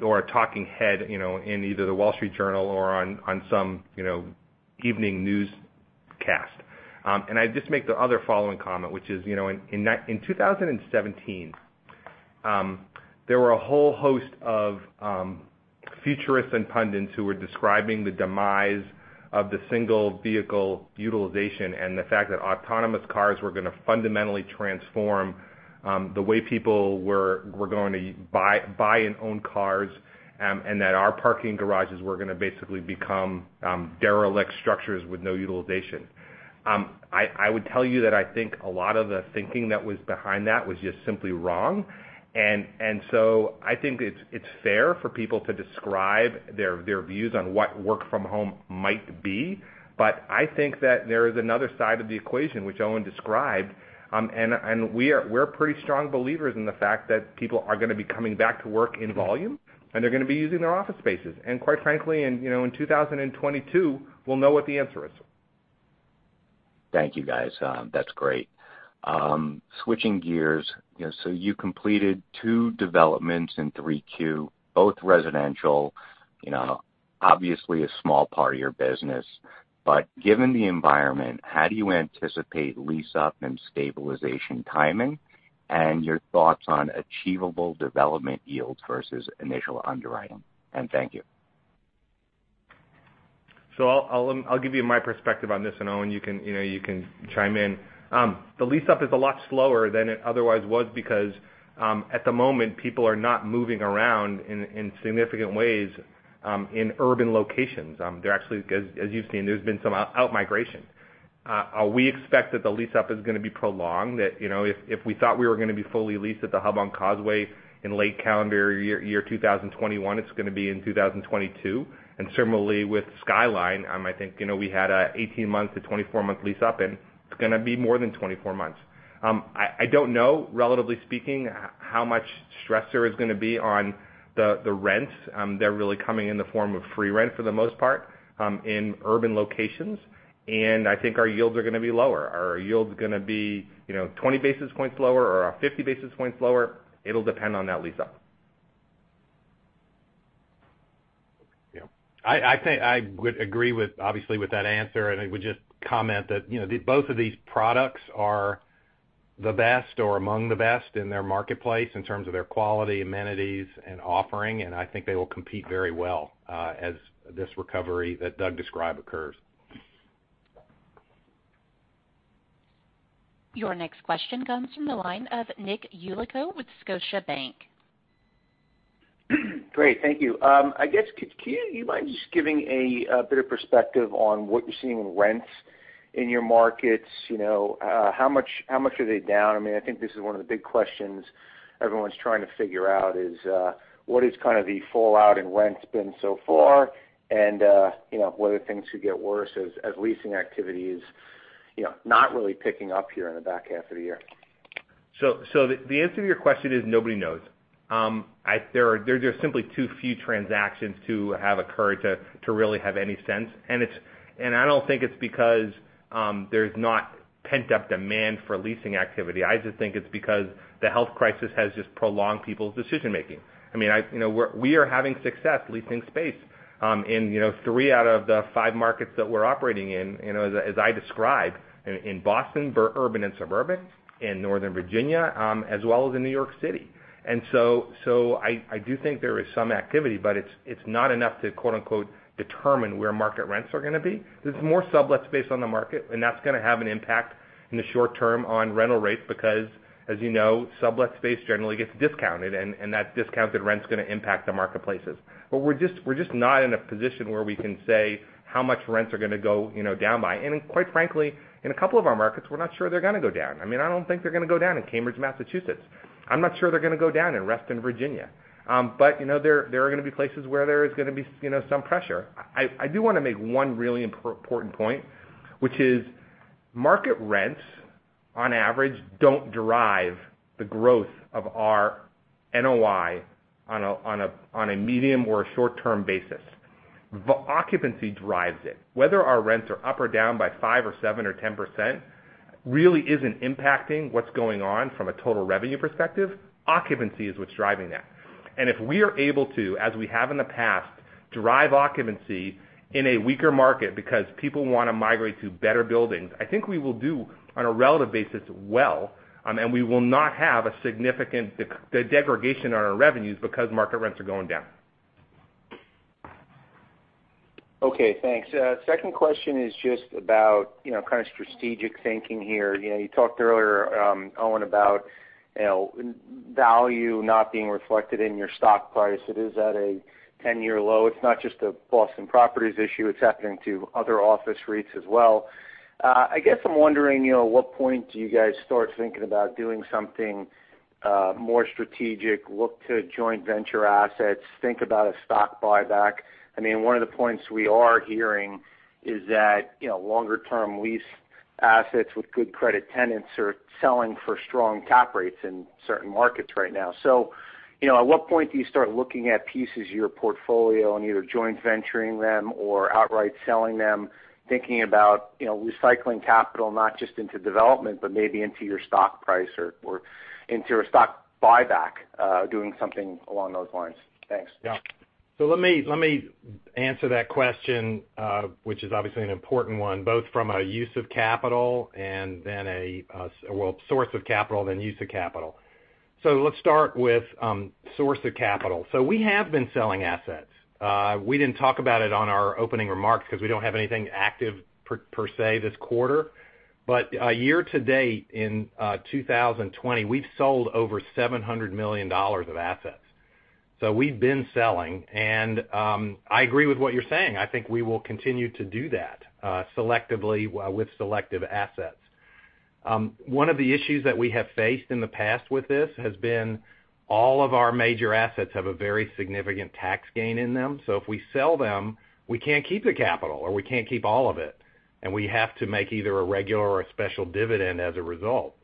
or a talking head in either The Wall Street Journal or on some evening newscast. I'd just make the other following comment, which is, in 2017, there were a whole host of futurists and pundits who were describing the demise of the single vehicle utilization and the fact that autonomous cars were going to fundamentally transform the way people were going to buy and own cars, and that our parking garages were going to basically become derelict structures with no utilization. I would tell you that I think a lot of the thinking that was behind that was just simply wrong. I think it's fair for people to describe their views on what work from home might be, but I think that there is another side of the equation, which Owen described. We're pretty strong believers in the fact that people are going to be coming back to work in volume, and they're going to be using their office spaces. Quite frankly, in 2022, we'll know what the answer is. Thank you, guys. That's great. Switching gears, you completed two developments in 3Q, both residential. Obviously, a small part of your business, but given the environment, how do you anticipate lease up and stabilization timing, and your thoughts on achievable development yields versus initial underwriting? Thank you. I'll give you my perspective on this, and Owen, you can chime in. The lease up is a lot slower than it otherwise was because at the moment, people are not moving around in significant ways in urban locations. There actually, as you've seen, there's been some out-migration. We expect that the lease up is going to be prolonged, that if we thought we were going to be fully leased at The Hub on Causeway in late calendar year 2021, it's going to be in 2022. Similarly with Skyline, I think we had an 18-month to 24-month lease up, and it's going to be more than 24 months. I don't know, relatively speaking, how much stress there is going to be on the rents. They're really coming in the form of free rent for the most part in urban locations. I think our yields are going to be lower. Are our yields going to be 20 basis points lower or are 50 basis points lower? It'll depend on that lease up. Yeah. I would agree, obviously, with that answer, and I would just comment that both of these products are the best or among the best in their marketplace in terms of their quality, amenities, and offering, and I think they will compete very well as this recovery that Doug described occurs. Your next question comes from the line of Nick Yulico with Scotiabank. Great, thank you. I guess, do you mind just giving a bit of perspective on what you're seeing with rents in your markets? How much are they down? I think this is one of the big questions everyone's trying to figure out is, what is kind of the fallout in rents been so far? Whether things could get worse as leasing activity is not really picking up here in the back half of the year. The answer to your question is nobody knows. There are just simply too few transactions to have occurred to really have any sense. I don't think it's because there's not pent-up demand for leasing activity. I just think it's because the health crisis has just prolonged people's decision-making. We are having success leasing space in three out of the five markets that we're operating in. As I described, in Boston, urban and suburban, in Northern Virginia, as well as in New York City. I do think there is some activity, but it's not enough to quote, unquote, determine where market rents are going to be. There's more sublet space on the market, and that's going to have an impact in the short term on rental rates, because as you know, sublet space generally gets discounted, and that discounted rent's going to impact the marketplaces. We're just not in a position where we can say how much rents are going to go down by. Quite frankly, in a couple of our markets, we're not sure they're going to go down. I don't think they're going to go down in Cambridge, Massachusetts. I'm not sure they're going to go down in Reston, Virginia. There are going to be places where there is going to be some pressure. I do want to make one really important point, which is market rents, on average, don't derive the growth of our NOI on a medium or a short-term basis. The occupancy drives it. Whether our rents are up or down by 5% or 7% or 10% really isn't impacting what's going on from a total revenue perspective. Occupancy is what's driving that. If we are able to, as we have in the past, drive occupancy in a weaker market because people want to migrate to better buildings, I think we will do on a relative basis well, and we will not have a significant degradation on our revenues because market rents are going down. Okay, thanks. Second question is just about kind of strategic thinking here. You talked earlier, Owen, about value not being reflected in your stock price. It is at a 10-year low. It's not just a Boston Properties issue. It's happening to other office REITs as well. I guess I'm wondering, at what point do you guys start thinking about doing something more strategic, look to joint venture assets, think about a stock buyback? One of the points we are hearing is that longer-term lease assets with good credit tenants are selling for strong cap rates in certain markets right now. At what point do you start looking at pieces of your portfolio and either joint venturing them or outright selling them, thinking about recycling capital, not just into development, but maybe into your stock price or into a stock buyback, doing something along those lines? Thanks. Yeah. Let me answer that question, which is obviously an important one, both from a use of capital and then a, well, source of capital, then use of capital. Let's start with source of capital. We have been selling assets. We didn't talk about it on our opening remarks because we don't have anything active per se this quarter. year-to-date in 2020, we've sold over $700 million of assets. We've been selling, and I agree with what you're saying. I think we will continue to do that selectively with selective assets. One of the issues that we have faced in the past with this has been all of our major assets have a very significant tax gain in them. If we sell them, we can't keep the capital or we can't keep all of it, and we have to make either a regular or a special dividend as a result.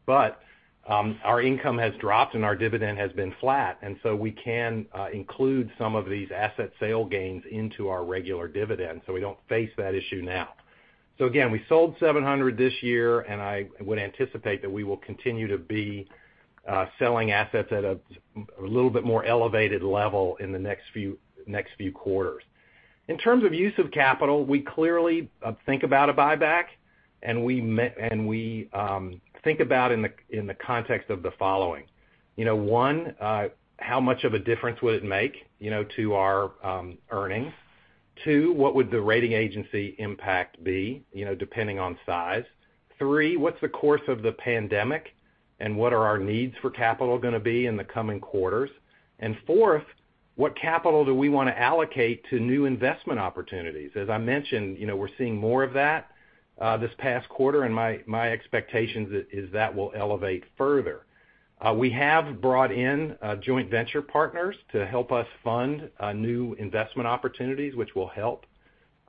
Our income has dropped and our dividend has been flat, and so we can include some of these asset sale gains into our regular dividend so we don't face that issue now. Again, we sold $700 million this year, and I would anticipate that we will continue to be selling assets at a little bit more elevated level in the next few quarters. In terms of use of capital, we clearly think about a buyback, and we think about in the context of the following. One, how much of a difference would it make to our earnings? Two, what would the rating agency impact be, depending on size? Three, what's the course of the pandemic and what are our needs for capital going to be in the coming quarters? Fourth, what capital do we want to allocate to new investment opportunities? As I mentioned, we're seeing more of that this past quarter, and my expectation is that will elevate further. We have brought in joint venture partners to help us fund new investment opportunities, which will help.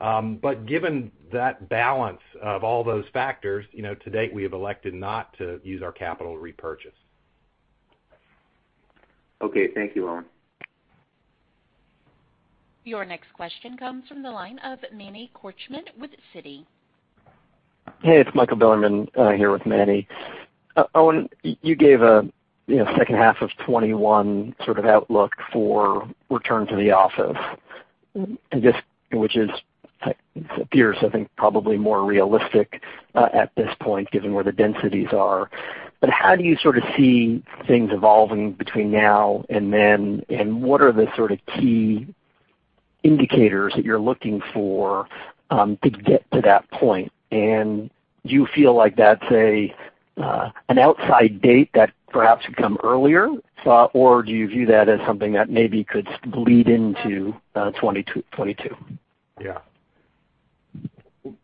Given that balance of all those factors, to date, we have elected not to use our capital to repurchase. Okay, thank you, Owen. Your next question comes from the line of Manny Korchman with Citi. Hey, it's Michael Bilerman. I'm here with Manny. Owen, you gave a second half of 2021 sort of outlook for return to the office, which appears, I think, probably more realistic at this point, given where the densities are. How do you sort of see things evolving between now and then, and what are the sort of key indicators that you're looking for to get to that point? Do you feel like that's an outside date that perhaps could come earlier? Do you view that as something that maybe could bleed into 2022? Yeah.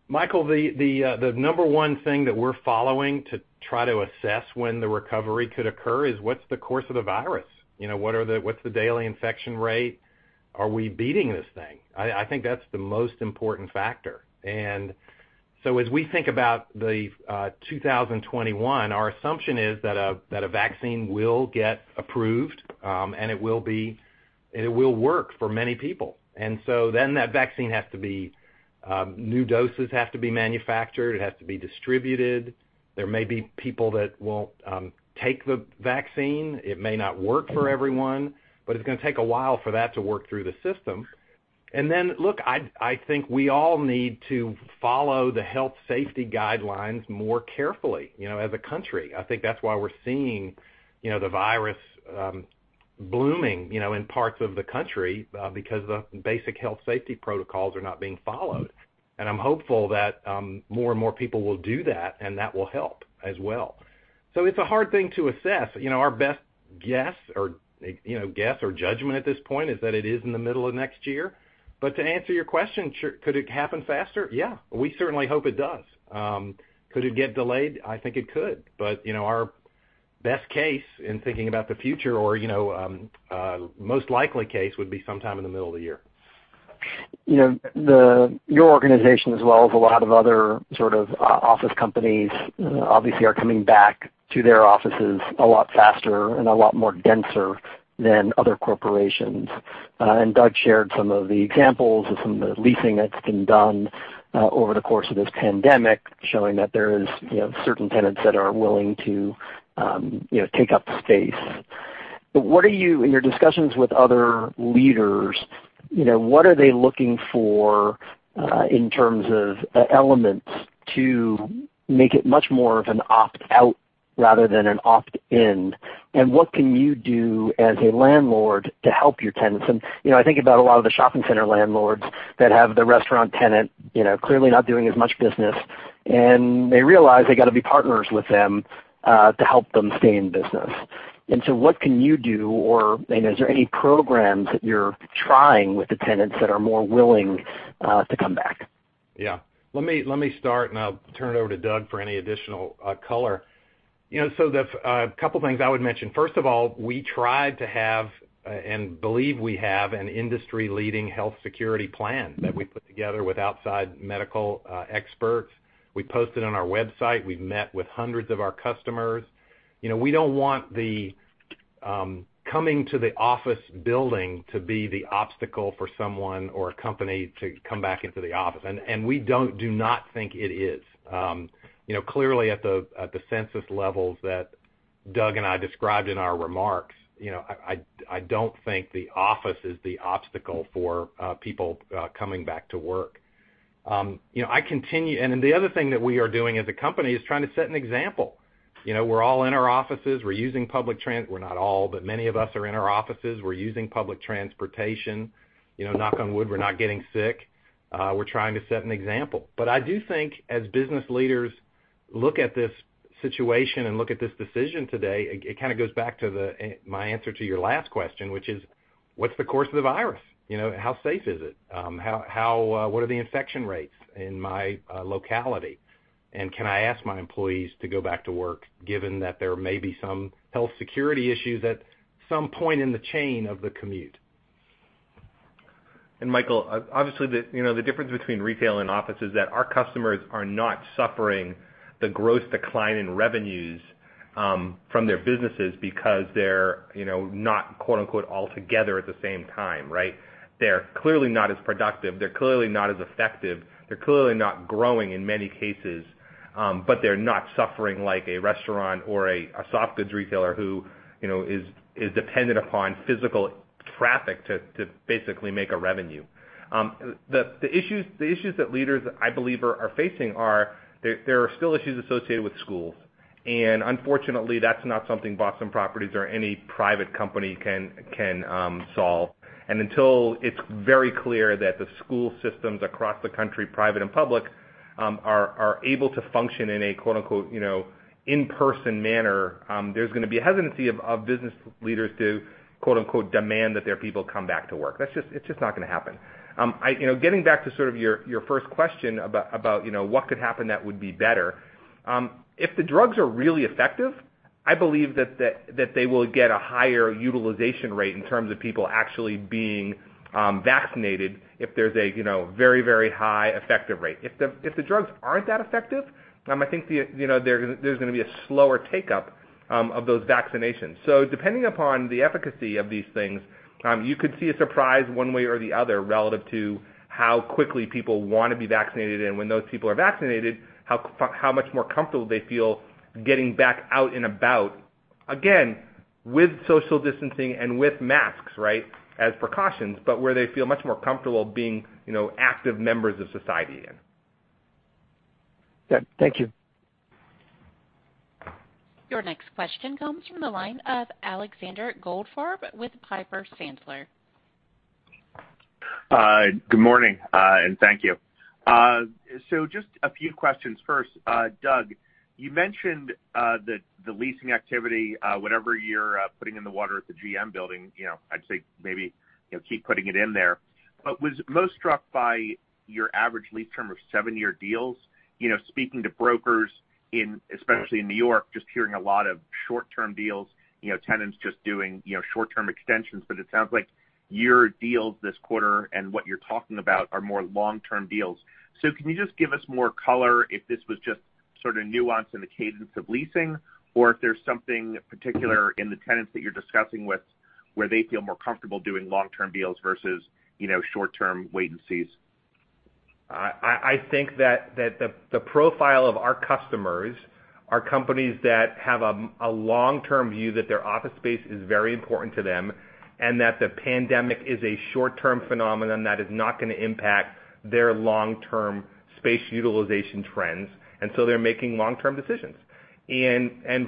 Michael, the number one thing that we're following to try to assess when the recovery could occur is what's the course of the virus? What's the daily infection rate? Are we beating this thing? I think that's the most important factor. As we think about the 2021, our assumption is that a vaccine will get approved, and it will work for many people. That vaccine, new doses have to be manufactured, it has to be distributed. There may be people that won't take the vaccine. It may not work for everyone. It's going to take a while for that to work through the system. Look, I think we all need to follow the health safety guidelines more carefully as a country. I think that's why we're seeing the virus blooming in parts of the country because the basic health safety protocols are not being followed. I'm hopeful that more and more people will do that, and that will help as well. It's a hard thing to assess. Our best guess or judgment at this point is that it is in the middle of next year. To answer your question, could it happen faster? Yeah. We certainly hope it does. Could it get delayed? I think it could. Our best case in thinking about the future or most likely case would be sometime in the middle of the year. Your organization as well as a lot of other sort of office companies obviously are coming back to their offices a lot faster and a lot more denser than other corporations. Doug shared some of the examples of some of the leasing that's been done over the course of this pandemic, showing that there is certain tenants that are willing to take up the space. In your discussions with other leaders, what are they looking for in terms of elements to make it much more of an opt-out rather than an opt-in? What can you do as a landlord to help your tenants? I think about a lot of the shopping center landlords that have the restaurant tenant clearly not doing as much business, and they realize they got to be partners with them to help them stay in business. What can you do, or is there any programs that you're trying with the tenants that are more willing to come back? Let me start. I'll turn it over to Doug for any additional color. A couple of things I would mention. First of all, we tried to have, and believe we have, an industry-leading health security plan that we put together with outside medical experts. We post it on our website. We've met with hundreds of our customers. We don't want the coming to the office building to be the obstacle for someone or a company to come back into the office. We do not think it is. Clearly at the census levels that Doug and I described in our remarks, I don't think the office is the obstacle for people coming back to work. The other thing that we are doing as a company is trying to set an example. We're all in our offices. We're not all, but many of us are in our offices. We're using public transportation. Knock on wood, we're not getting sick. We're trying to set an example. I do think as business leaders look at this situation and look at this decision today, it kind of goes back to my answer to your last question, which is, what's the course of the virus? How safe is it? What are the infection rates in my locality? Can I ask my employees to go back to work given that there may be some health security issues at some point in the chain of the commute? Michael, obviously, the difference between retail and office is that our customers are not suffering the gross decline in revenues from their businesses because they're not "altogether" at the same time, right? They're clearly not as productive. They're clearly not as effective. They're clearly not growing in many cases. They're not suffering like a restaurant or a soft goods retailer who is dependent upon physical traffic to basically make a revenue. The issues that leaders, I believe, are facing are there are still issues associated with schools. Unfortunately, that's not something Boston Properties or any private company can solve. Until it's very clear that the school systems across the country, private and public, are able to function in a "in-person manner," there's going to be a hesitancy of business leaders to "demand" that their people come back to work. It's just not going to happen. Getting back to sort of your first question about what could happen that would be better. If the drugs are really effective, I believe that they will get a higher utilization rate in terms of people actually being vaccinated if there's a very high effective rate. If the drugs aren't that effective, I think there's going to be a slower take-up of those vaccinations. Depending upon the efficacy of these things, you could see a surprise one way or the other relative to how quickly people want to be vaccinated, and when those people are vaccinated, how much more comfortable they feel getting back out and about, again, with social distancing and with masks, right, as precautions, but where they feel much more comfortable being active members of society again. Yeah. Thank you. Your next question comes from the line of Alexander Goldfarb with Piper Sandler. Good morning, and thank you. Just a few questions. First, Doug, you mentioned the leasing activity, whatever you're putting in the water at the GM Building, I'd say maybe keep putting it in there. Was most struck by your average lease term of seven-year deals. Speaking to brokers, especially in New York, just hearing a lot of short-term deals, tenants just doing short-term extensions. It sounds like your deals this quarter and what you're talking about are more long-term deals. Can you just give us more color if this was just sort of nuance in the cadence of leasing, or if there's something particular in the tenants that you're discussing with where they feel more comfortable doing long-term deals versus short-term wait-and-sees? I think that the profile of our customers are companies that have a long-term view that their office space is very important to them, and that the pandemic is a short-term phenomenon that is not going to impact their long-term space utilization trends. They're making long-term decisions.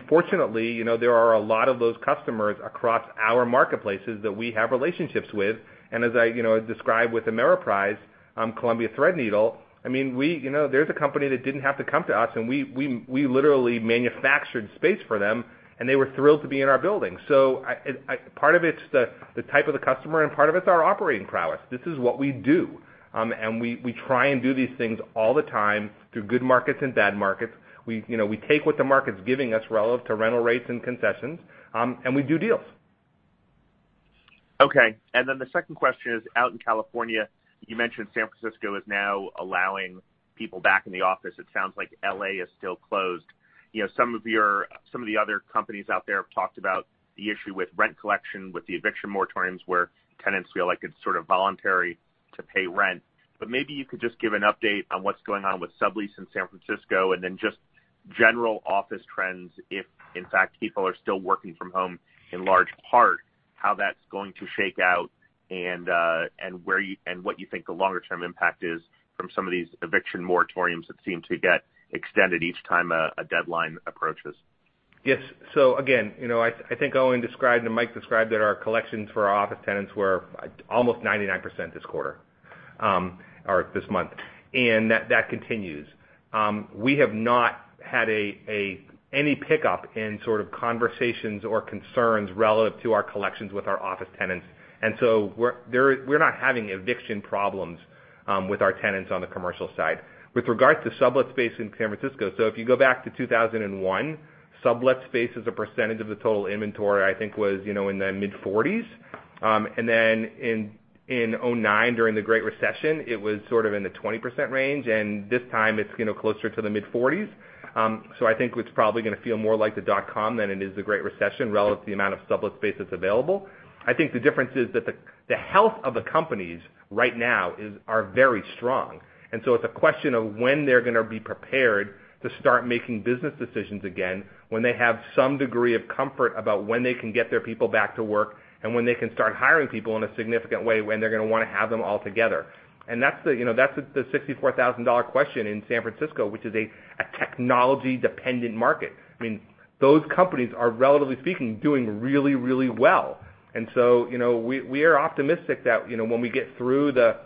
Fortunately, there are a lot of those customers across our marketplaces that we have relationships with. As I described with Ameriprise, Columbia Threadneedle, there's a company that didn't have to come to us, and we literally manufactured space for them, and they were thrilled to be in our building. Part of it's the type of the customer and part of it's our operating prowess. This is what we do. We try and do these things all the time through good markets and bad markets. We take what the market's giving us relative to rental rates and concessions, and we do deals. Okay. The second question is out in California, you mentioned San Francisco is now allowing people back in the office. It sounds like L.A. is still closed. Some of the other companies out there have talked about the issue with rent collection, with the eviction moratoriums, where tenants feel like it's sort of voluntary to pay rent. Maybe you could just give an update on what's going on with sublease in San Francisco, then just general office trends, if in fact, people are still working from home in large part, how that's going to shake out and what you think the longer-term impact is from some of these eviction moratoriums that seem to get extended each time a deadline approaches? Yes. Again, I think Owen described and Mike described that our collections for our office tenants were almost 99% this quarter, or this month. That continues. We have not had any pickup in sort of conversations or concerns relative to our collections with our office tenants. We're not having eviction problems with our tenants on the commercial side. With regard to sublet space in San Francisco, if you go back to 2001, sublet space as a percentage of the total inventory, I think was in the mid-40s. In 2009 during the Great Recession, it was sort of in the 20% range. This time it's closer to the mid-40s. I think it's probably going to feel more like the dot-com than it is the Great Recession relative to the amount of sublet space that's available. I think the difference is that the health of the companies right now are very strong. It's a question of when they're going to be prepared to start making business decisions again, when they have some degree of comfort about when they can get their people back to work, and when they can start hiring people in a significant way, when they're going to want to have them all together. That's the $64,000 question in San Francisco, which is a technology-dependent market. Those companies are, relatively speaking, doing really, really well. We are optimistic that when we get through the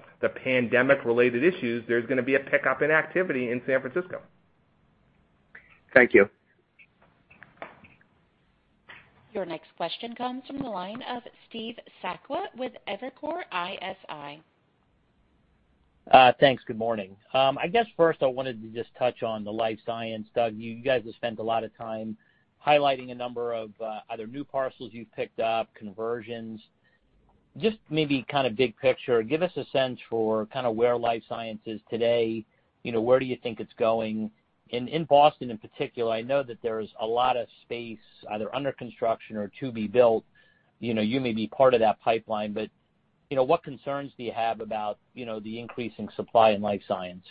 pandemic-related issues, there's going to be a pickup in activity in San Francisco. Thank you. Your next question comes from the line of Steve Sakwa with Evercore ISI. Thanks. Good morning. I guess first I wanted to just touch on the life science. Doug, you guys have spent a lot of time highlighting a number of either new parcels you've picked up, conversions. Just maybe kind of big picture, give us a sense for kind of where life science is today. Where do you think it's going? In Boston in particular, I know that there's a lot of space either under construction or to be built. You may be part of that pipeline, but what concerns do you have about the increase in supply in life science?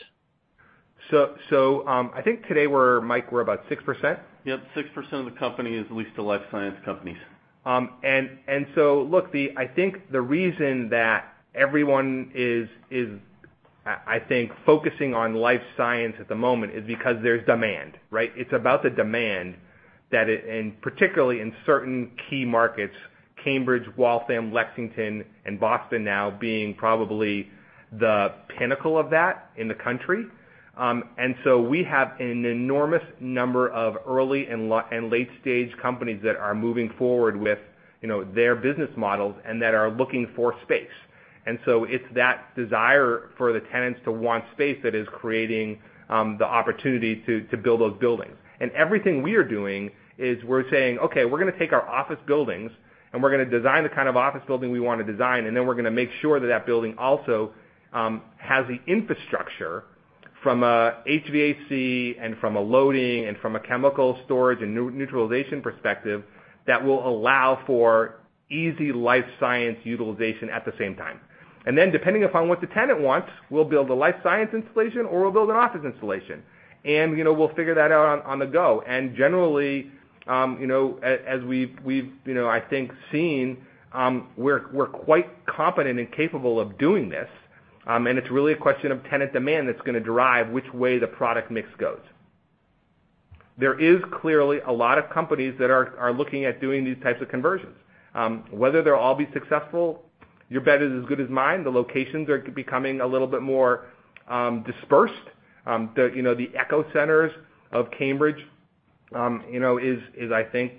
I think today, Mike, we're about 6%? Yep, 6% of the company is leased to life science companies. Look, I think the reason that everyone is, I think, focusing on life science at the moment is because there's demand, right? It's about the demand, particularly in certain key markets, Cambridge, Waltham, Lexington, and Boston now being probably the pinnacle of that in the country. We have an enormous number of early and late-stage companies that are moving forward with their business models and that are looking for space. It's that desire for the tenants to want space that is creating the opportunity to build those buildings. Everything we are doing is we're saying, "Okay, we're going to take our office buildings and we're going to design the kind of office building we want to design, and then we're going to make sure that that building also has the infrastructure from a HVAC and from a loading and from a chemical storage and neutralization perspective that will allow for easy life science utilization at the same time." Then depending upon what the tenant wants, we'll build a life science installation or we'll build an office installation. We'll figure that out on the go. Generally, as we've I think seen, we're quite competent and capable of doing this. It's really a question of tenant demand that's going to drive which way the product mix goes. There is clearly a lot of companies that are looking at doing these types of conversions. Whether they'll all be successful, your bet is as good as mine. The locations are becoming a little bit more dispersed. The epicenters of Cambridge is, I think,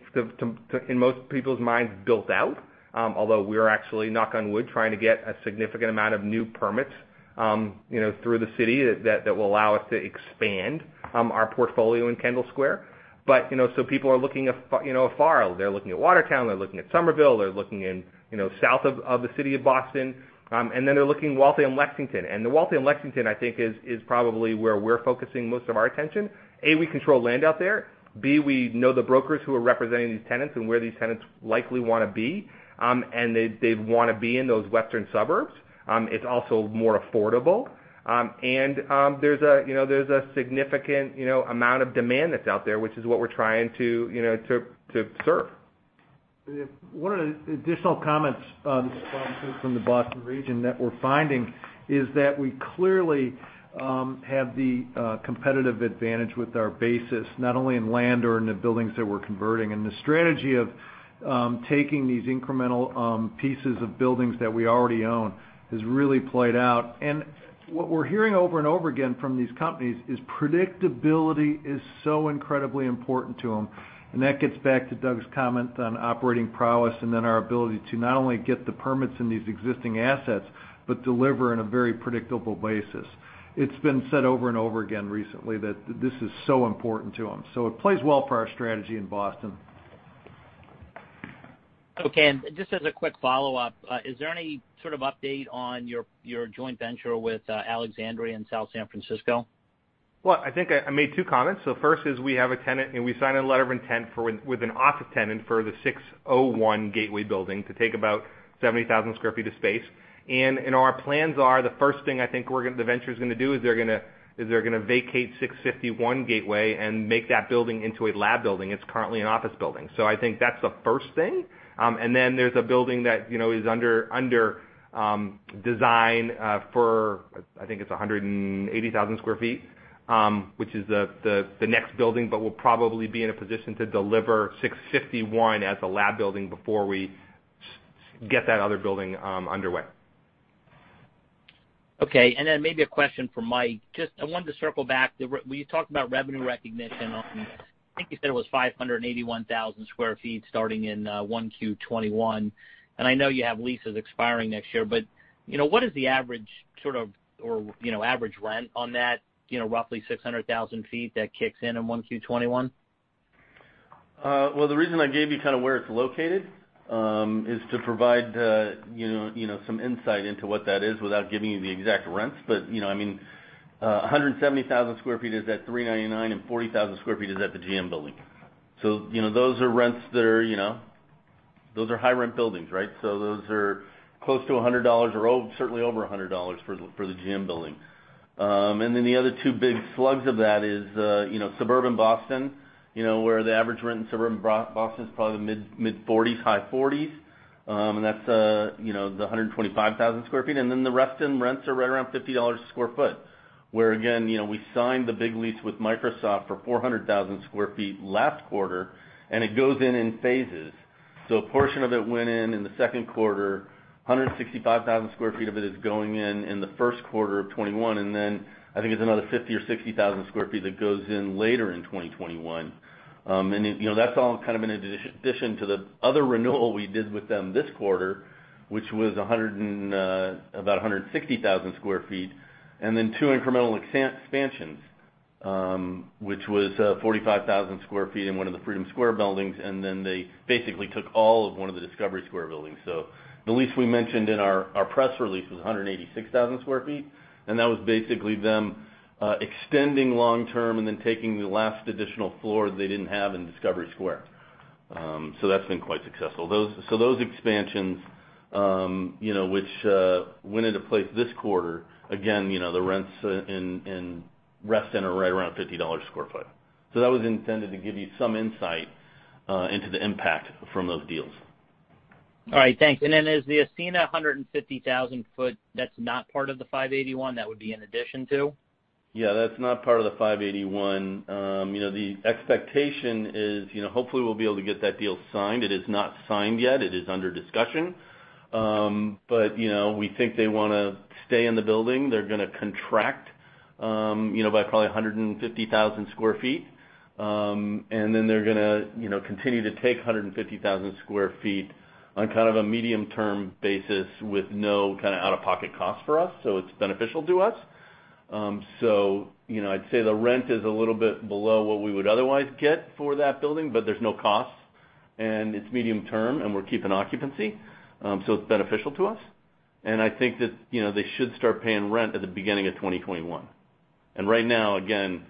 in most people's minds, built out. Although we are actually, knock on wood, trying to get a significant amount of new permits through the city that will allow us to expand our portfolio in Kendall Square. People are looking afar. They're looking at Watertown, they're looking at Somerville, they're looking south of the city of Boston. They're looking Waltham, Lexington. The Waltham, Lexington, I think is probably where we're focusing most of our attention. A, we control land out there. B, we know the brokers who are representing these tenants and where these tenants likely want to be. They'd want to be in those western suburbs. It's also more affordable. There's a significant amount of demand that's out there, which is what we're trying to serve. One of the additional comments, this is from the Boston region, that we're finding is that we clearly have the competitive advantage with our basis, not only in land or in the buildings that we're converting. The strategy of taking these incremental pieces of buildings that we already own has really played out. What we're hearing over and over again from these companies is predictability is so incredibly important to them. That gets back to Doug's comment on operating prowess and then our ability to not only get the permits in these existing assets, but deliver in a very predictable basis. It's been said over and over again recently that this is so important to them. It plays well for our strategy in Boston. Okay. Just as a quick follow-up, is there any sort of update on your joint venture with Alexandria in South San Francisco? I think I made two comments. First is we have a tenant, and we signed a letter of intent with an office tenant for the 601 Gateway building to take about 70,000 sq ft of space. Our plans are, the first thing I think the venture's going to do, is they're going to vacate 651 Gateway and make that building into a lab building. It's currently an office building. I think that's the first thing. Then there's a building that is under design for, I think it's 180,000 sq ft, which is the next building, but we'll probably be in a position to deliver 651 as a lab building before we get that other building underway. Okay. Then maybe a question for Mike. Just, I wanted to circle back. When you talked about revenue recognition on, I think you said it was 581,000 sq ft starting in 1Q 2021. I know you have leases expiring next year, but what is the average sort of, or average rent on that roughly 600,000 sq ft that kicks in in 1Q 2021? The reason I gave you kind of where it's located, is to provide some insight into what that is without giving you the exact rents. 170,000 sq ft is at 399 and 40,000 sq ft is at the GM Building. Those are high-rent buildings, right? Those are close to $100, or certainly over $100 for the GM Building. The other two big slugs of that is suburban Boston, where the average rent in suburban Boston is probably the mid-40s, high 40s. That's the 125,000 sq ft. The Reston rents are right around $50 a sq ft, where again, we signed the big lease with Microsoft for 400,000 sq ft last quarter, and it goes in in phases. A portion of it went in in the second quarter, 165,000 sq ft of it is going in in the first quarter of 2021, and then I think it's another 50,000 sq ft or 60,000 sq ft that goes in later in 2021. That's all kind of in addition to the other renewal we did with them this quarter, which was about 160,000 sq ft, and then two incremental expansions, which was 45,000 sq ft in one of the Freedom Square buildings, and then they basically took all of one of the Discovery Square buildings. The lease we mentioned in our press release was 186,000 sq ft, and that was basically them extending long-term and then taking the last additional floor they didn't have in Discovery Square. That's been quite successful. Those expansions, which went into place this quarter, again, the rents in Reston are right around $50 a sq ft. That was intended to give you some insight into the impact from those deals. All right, thanks. Then as the Ascena 150,000 sq ft, that's not part of the 581, that would be in addition to? Yeah, that's not part of the 581. The expectation is hopefully we'll be able to get that deal signed. It is not signed yet. It is under discussion. We think they want to stay in the building. They're going to contract by probably 150,000 sq ft. They're going to continue to take 150,000 sq ft on kind of a medium-term basis with no kind of out-of-pocket cost for us. It's beneficial to us. I'd say the rent is a little bit below what we would otherwise get for that building, but there's no cost, and it's medium-term, and we're keeping occupancy. It's beneficial to us. I think that they should start paying rent at the beginning of 2021. Right now, again,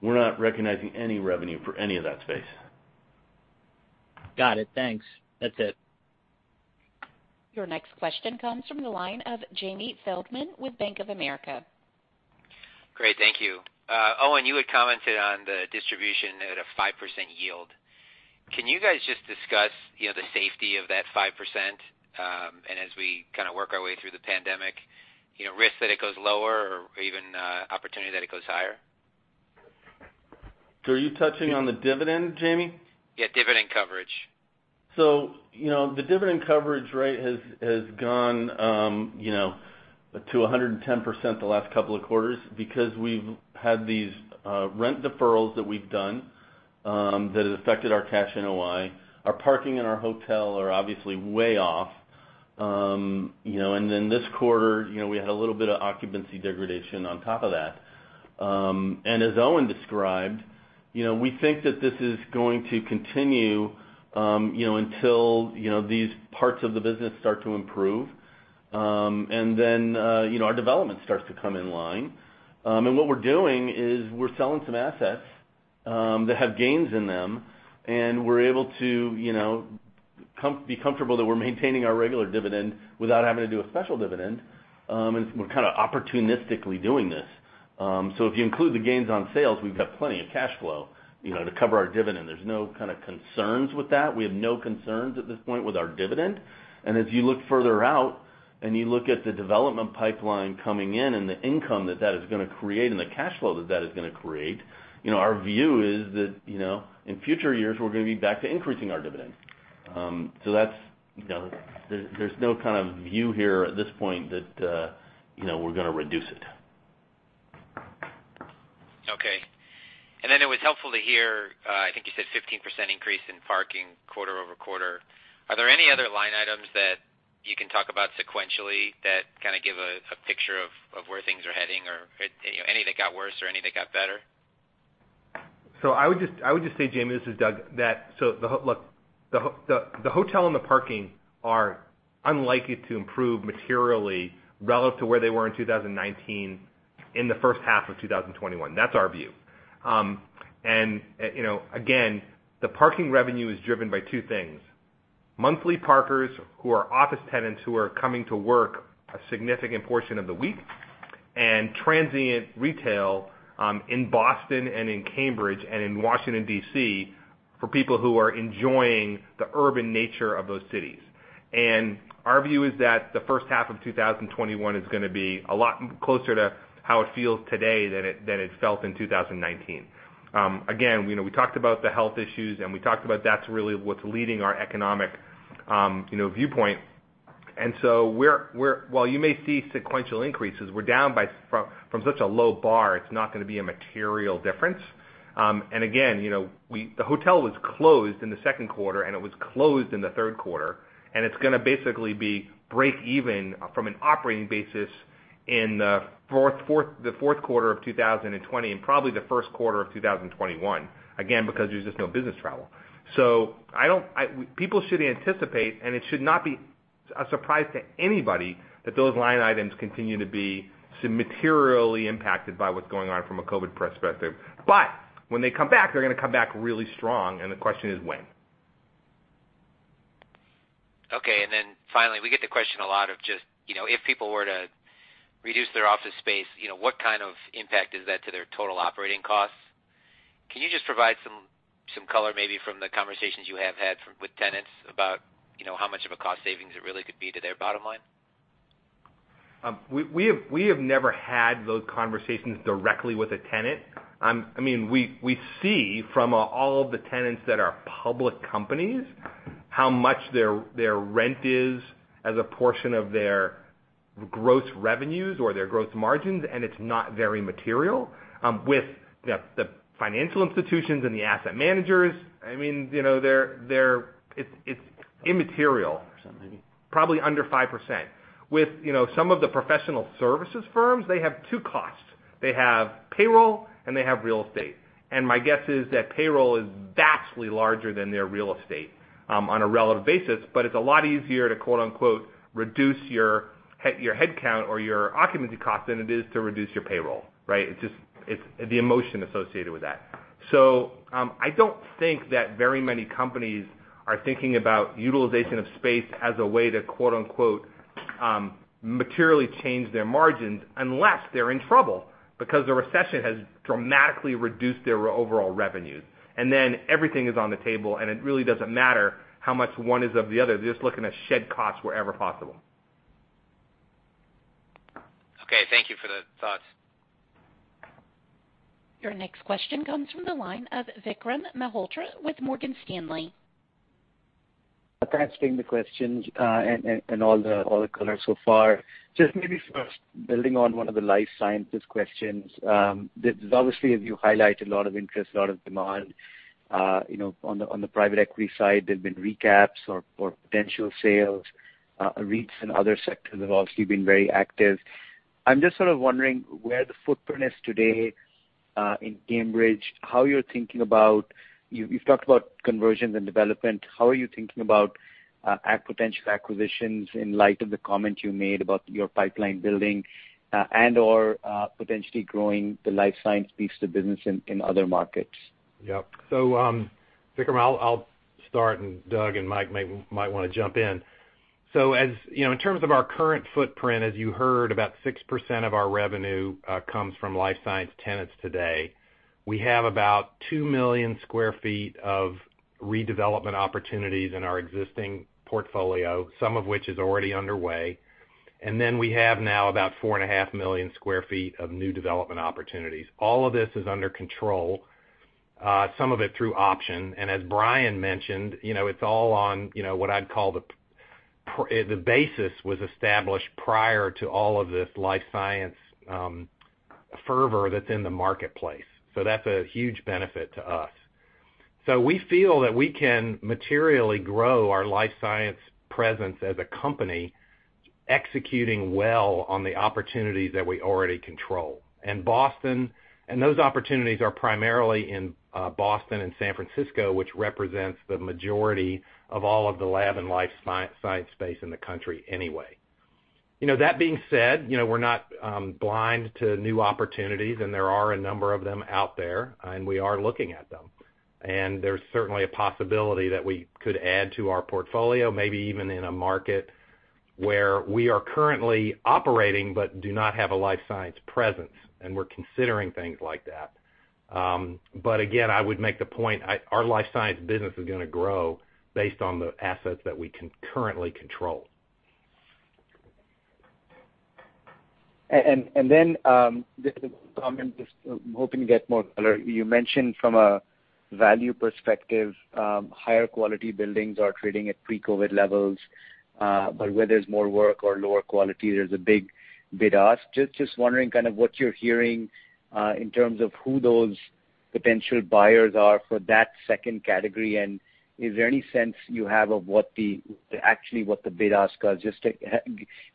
we're not recognizing any revenue for any of that space. Got it. Thanks. That's it. Your next question comes from the line of Jamie Feldman with Bank of America. Great. Thank you. Owen, you had commented on the distribution at a 5% yield. Can you guys just discuss the safety of that 5%, and as we kind of work our way through the pandemic, risk that it goes lower or even opportunity that it goes higher? Are you touching on the dividend, Jamie? Yeah, dividend coverage. The dividend coverage rate has gone up to 110% the last couple of quarters because we've had these rent deferrals that we've done. That it affected our cash NOI. Our parking and our hotel are obviously way off. This quarter, we had a little bit of occupancy degradation on top of that. As Owen described, we think that this is going to continue until these parts of the business start to improve. Our development starts to come in line. What we're doing is we're selling some assets that have gains in them, and we're able to be comfortable that we're maintaining our regular dividend without having to do a special dividend. We're kind of opportunistically doing this. If you include the gains on sales, we've got plenty of cash flow to cover our dividend. There's no kind of concerns with that. We have no concerns at this point with our dividend. As you look further out and you look at the development pipeline coming in and the income that that is going to create and the cash flow that that is going to create, our view is that, in future years, we're going to be back to increasing our dividend. There's no kind of view here at this point that we're going to reduce it. Okay. Then it was helpful to hear, I think you said 15% increase in parking quarter-over-quarter. Are there any other line items that you can talk about sequentially that kind of give a picture of where things are heading or any that got worse or any that got better? I would just say, Jamie, this is Doug, that the hotel and the parking are unlikely to improve materially relative to where they were in 2019 in the first half of 2021. That's our view. Again, the parking revenue is driven by two things. Monthly parkers, who are office tenants who are coming to work a significant portion of the week, and transient retail in Boston and in Cambridge and in Washington, D.C., for people who are enjoying the urban nature of those cities. Our view is that the first half of 2021 is going to be a lot closer to how it feels today than it felt in 2019. Again, we talked about the health issues, and we talked about that's really what's leading our economic viewpoint. While you may see sequential increases, we're down from such a low bar, it's not going to be a material difference. Again, the hotel was closed in the second quarter, and it was closed in the third quarter, and it's going to basically be break even from an operating basis in the fourth quarter of 2020 and probably the first quarter of 2021, again, because there's just no business travel. People should anticipate, and it should not be a surprise to anybody, that those line items continue to be materially impacted by what's going on from a COVID-19 perspective. When they come back, they're going to come back really strong, and the question is when. Finally, we get the question a lot of just, if people were to reduce their office space, what kind of impact is that to their total operating costs? Can you just provide some color maybe from the conversations you have had with tenants about how much of a cost savings it really could be to their bottom line? We have never had those conversations directly with a tenant. We see from all of the tenants that are public companies how much their rent is as a portion of their gross revenues or their gross margins, and it's not very material. With the financial institutions and the asset managers, it's immaterial. Something maybe. Probably under 5%. With some of the professional services firms, they have two costs. They have payroll, and they have real estate. My guess is that payroll is vastly larger than their real estate on a relative basis, it's a lot easier to quote unquote, reduce your headcount or your occupancy cost than it is to reduce your payroll, right? It's the emotion associated with that. I don't think that very many companies are thinking about utilization of space as a way to quote unquote, materially change their margins unless they're in trouble because the recession has dramatically reduced their overall revenues. Everything is on the table, it really doesn't matter how much one is of the other. They're just looking to shed costs wherever possible. Okay, thank you for the thoughts. Your next question comes from the line of Vikram Malhotra with Morgan Stanley. Thanks for taking the questions and all the color so far. Maybe first building on one of the life sciences questions. There's obviously, as you highlight, a lot of interest, a lot of demand. On the private equity side, there's been recaps or potential sales. REITs and other sectors have obviously been very active. I'm sort of wondering where the footprint is today in Cambridge, how you're thinking about You've talked about conversions and development. How are you thinking about potential acquisitions in light of the comment you made about your pipeline building and/or potentially growing the life science piece of the business in other markets? Yep. Vikram, I'll start, and Doug and Mike might want to jump in. In terms of our current footprint, as you heard, about 6% of our revenue comes from life science tenants today. We have about 2 million square feet of redevelopment opportunities in our existing portfolio, some of which is already underway. We have now about 4.5 million square feet of new development opportunities. All of this is under control, some of it through option. As Bryan mentioned, it's all on what I'd call the- The basis was established prior to all of this life science fervor that's in the marketplace. That's a huge benefit to us. We feel that we can materially grow our life science presence as a company, executing well on the opportunities that we already control. Those opportunities are primarily in Boston and San Francisco, which represents the majority of all of the lab and life science space in the country anyway. That being said, we're not blind to new opportunities, and there are a number of them out there, and we are looking at them. There's certainly a possibility that we could add to our portfolio, maybe even in a market where we are currently operating but do not have a life science presence, and we're considering things like that. Again, I would make the point, our life science business is going to grow based on the assets that we currently control. This is a comment, just hoping to get more color. You mentioned from a value perspective, higher quality buildings are trading at pre-COVID levels. Where there's more work or lower quality, there's a big bid-ask. Wondering kind of what you're hearing, in terms of who those potential buyers are for that second category, and is there any sense you have of what actually the bid-ask are? To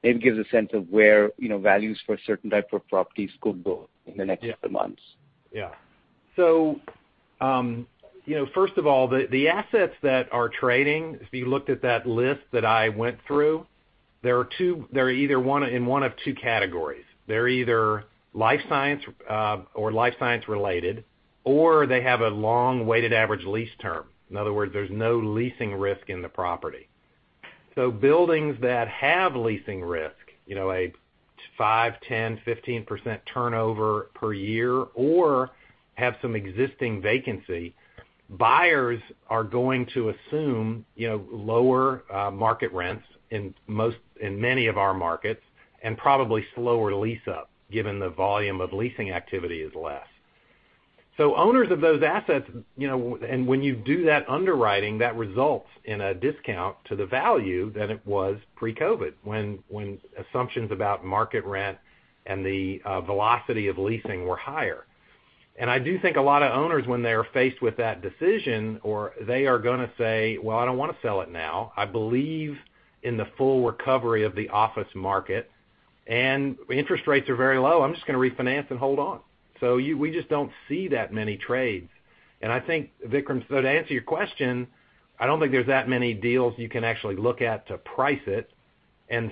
maybe give us a sense of where values for a certain type of properties could go in the next couple months. The assets that are trading, if you looked at that list that I went through, they're in one of two categories. They're either life science or life science related, or they have a long weighted average lease term. In other words, there's no leasing risk in the property. Buildings that have leasing risk, a 5%, 10%, 15% turnover per year, or have some existing vacancy, buyers are going to assume lower market rents in many of our markets and probably slower lease up, given the volume of leasing activity is less. Owners of those assets, and when you do that underwriting, that results in a discount to the value that it was pre-COVID, when assumptions about market rent and the velocity of leasing were higher. I do think a lot of owners, when they're faced with that decision, or they are going to say, "Well, I don't want to sell it now. I believe in the full recovery of the office market, and interest rates are very low. I'm just going to refinance and hold on." We just don't see that many trades. I think, Vikram, to answer your question, I don't think there's that many deals you can actually look at to price it.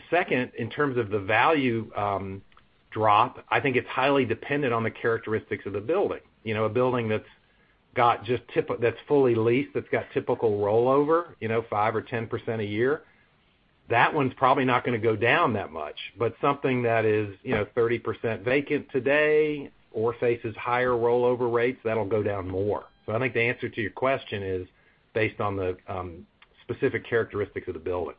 Second, in terms of the value drop, I think it's highly dependent on the characteristics of the building. A building that's fully leased, that's got typical rollover, 5% or 10% a year, that one's probably not going to go down that much. Something that is 30% vacant today or faces higher rollover rates, that'll go down more. I think the answer to your question is based on the specific characteristics of the building.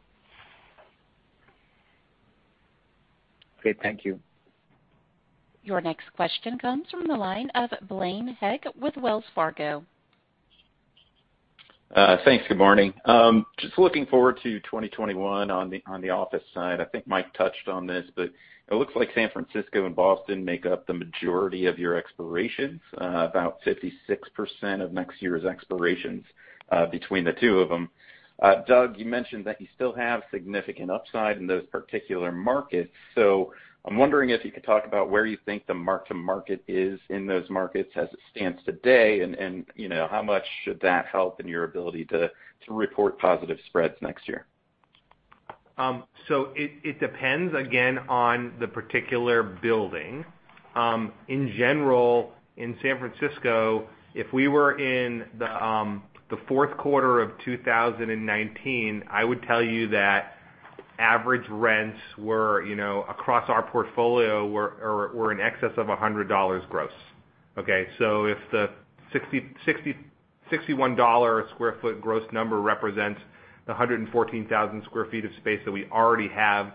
Okay. Thank you. Your next question comes from the line of Blaine Heck with Wells Fargo. Thanks. Good morning. Looking forward to 2021 on the office side. I think Mike touched on this, it looks like San Francisco and Boston make up the majority of your expirations, about 56% of next year's expirations, between the two of them. Doug, you mentioned that you still have significant upside in those particular markets. I'm wondering if you could talk about where you think the mark-to-market is in those markets as it stands today, and how much should that help in your ability to report positive spreads next year? It depends, again, on the particular building. In general, in San Francisco, if we were in the fourth quarter of 2019, I would tell you that average rents across our portfolio, were in excess of $100 gross. Okay. If the $61 a sq ft gross number represents the 114,000 sq ft of space that we already have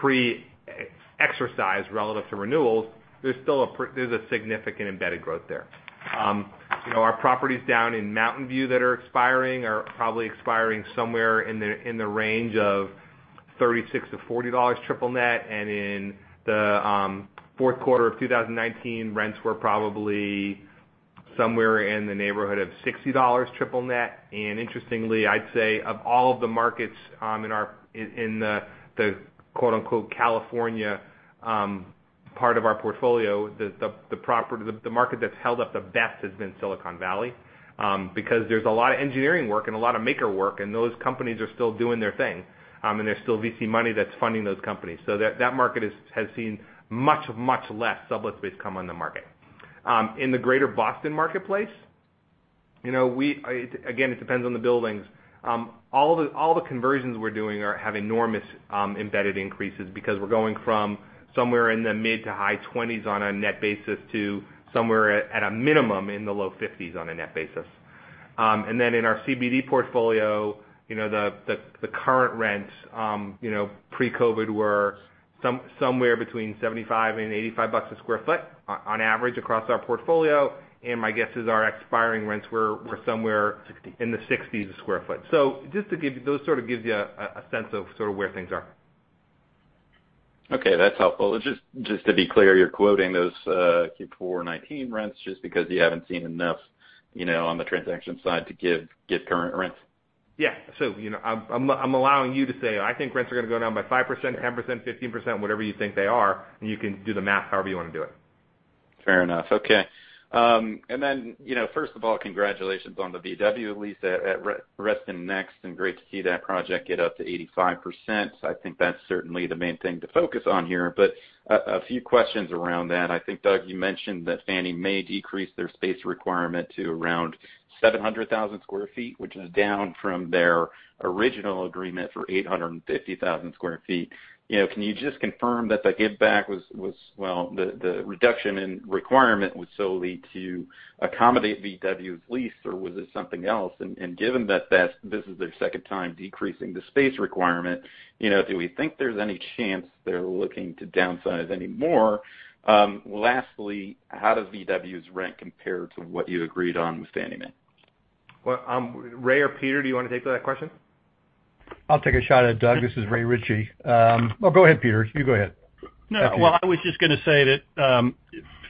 pre-exercised relative to renewals, there's a significant embedded growth there. Our properties down in Mountain View that are expiring are probably expiring somewhere in the range of $36-$40 triple net. In the fourth quarter of 2019, rents were probably somewhere in the neighborhood of $60 triple net. Interestingly, I'd say of all of the markets in the California part of our portfolio, the market that's held up the best has been Silicon Valley, because there's a lot of engineering work and a lot of maker work, and those companies are still doing their thing. There's still VC money that's funding those companies. That market has seen much less sublet space come on the market. In the greater Boston marketplace, again, it depends on the buildings. All the conversions we're doing have enormous embedded increases because we're going from somewhere in the mid to high 20s on a net basis to somewhere at a minimum in the low 50s on a net basis. In our CBD portfolio, the current rents, pre-COVID were somewhere between $75 and $85 a sq ft on average across our portfolio. My guess is our expiring rents were somewhere- $60. ...in the $60 a sq ft. Just to give you, those sort of gives you a sense of sort of where things are. Okay, that's helpful. Just to be clear, you're quoting those Q4 2019 rents just because you haven't seen enough on the transaction side to give current rents? Yeah. I'm allowing you to say, "I think rents are going to go down by 5%, 10%, 15%," whatever you think they are, and you can do the math however you want to do it. Fair enough. Okay. First of all, congratulations on the VW lease at Reston Next, and great to see that project get up to 85%. I think that's certainly the main thing to focus on here. A few questions around that. I think, Doug, you mentioned that Fannie Mae decrease their space requirement to around 700,000 sq ft, which is down from their original agreement for 850,000 sq ft. Can you just confirm that the reduction in requirement was solely to accommodate VW's lease, or was it something else? Given that this is their second time decreasing the space requirement, do we think there's any chance they're looking to downsize any more? Lastly, how does VW's rent compare to what you agreed on with Fannie Mae? Well, Ray or Peter, do you want to take that question? I'll take a shot at it, Doug. This is Ray Ritchie. Well, go ahead, Peter. You go ahead. No. Yeah, Peter. Well, I was just going to say that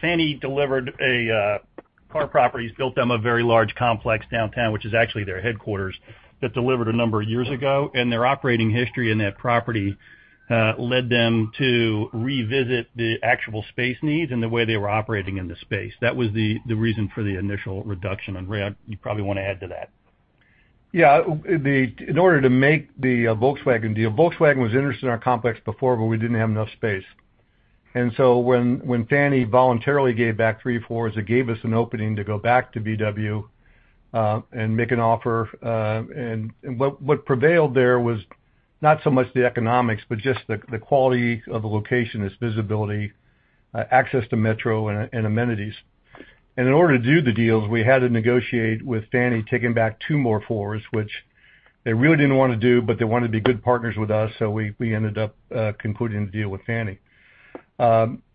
Fannie delivered Carr Properties, built them a very large complex downtown, which is actually their headquarters, that delivered a number of years ago. Their operating history in that property led them to revisit the actual space needs and the way they were operating in the space. That was the reason for the initial reduction. Ray, you probably want to add to that. Yeah. In order to make the Volkswagen deal, Volkswagen was interested in our complex before, but we didn't have enough space. When Fannie voluntarily gave back three floors, it gave us an opening to go back to VW, and make an offer. What prevailed there was not so much the economics, but just the quality of the location, its visibility, access to Metro, and amenities. In order to do the deals, we had to negotiate with Fannie taking back two more floors, which they really didn't want to do, but they wanted to be good partners with us, so we ended up concluding the deal with Fannie.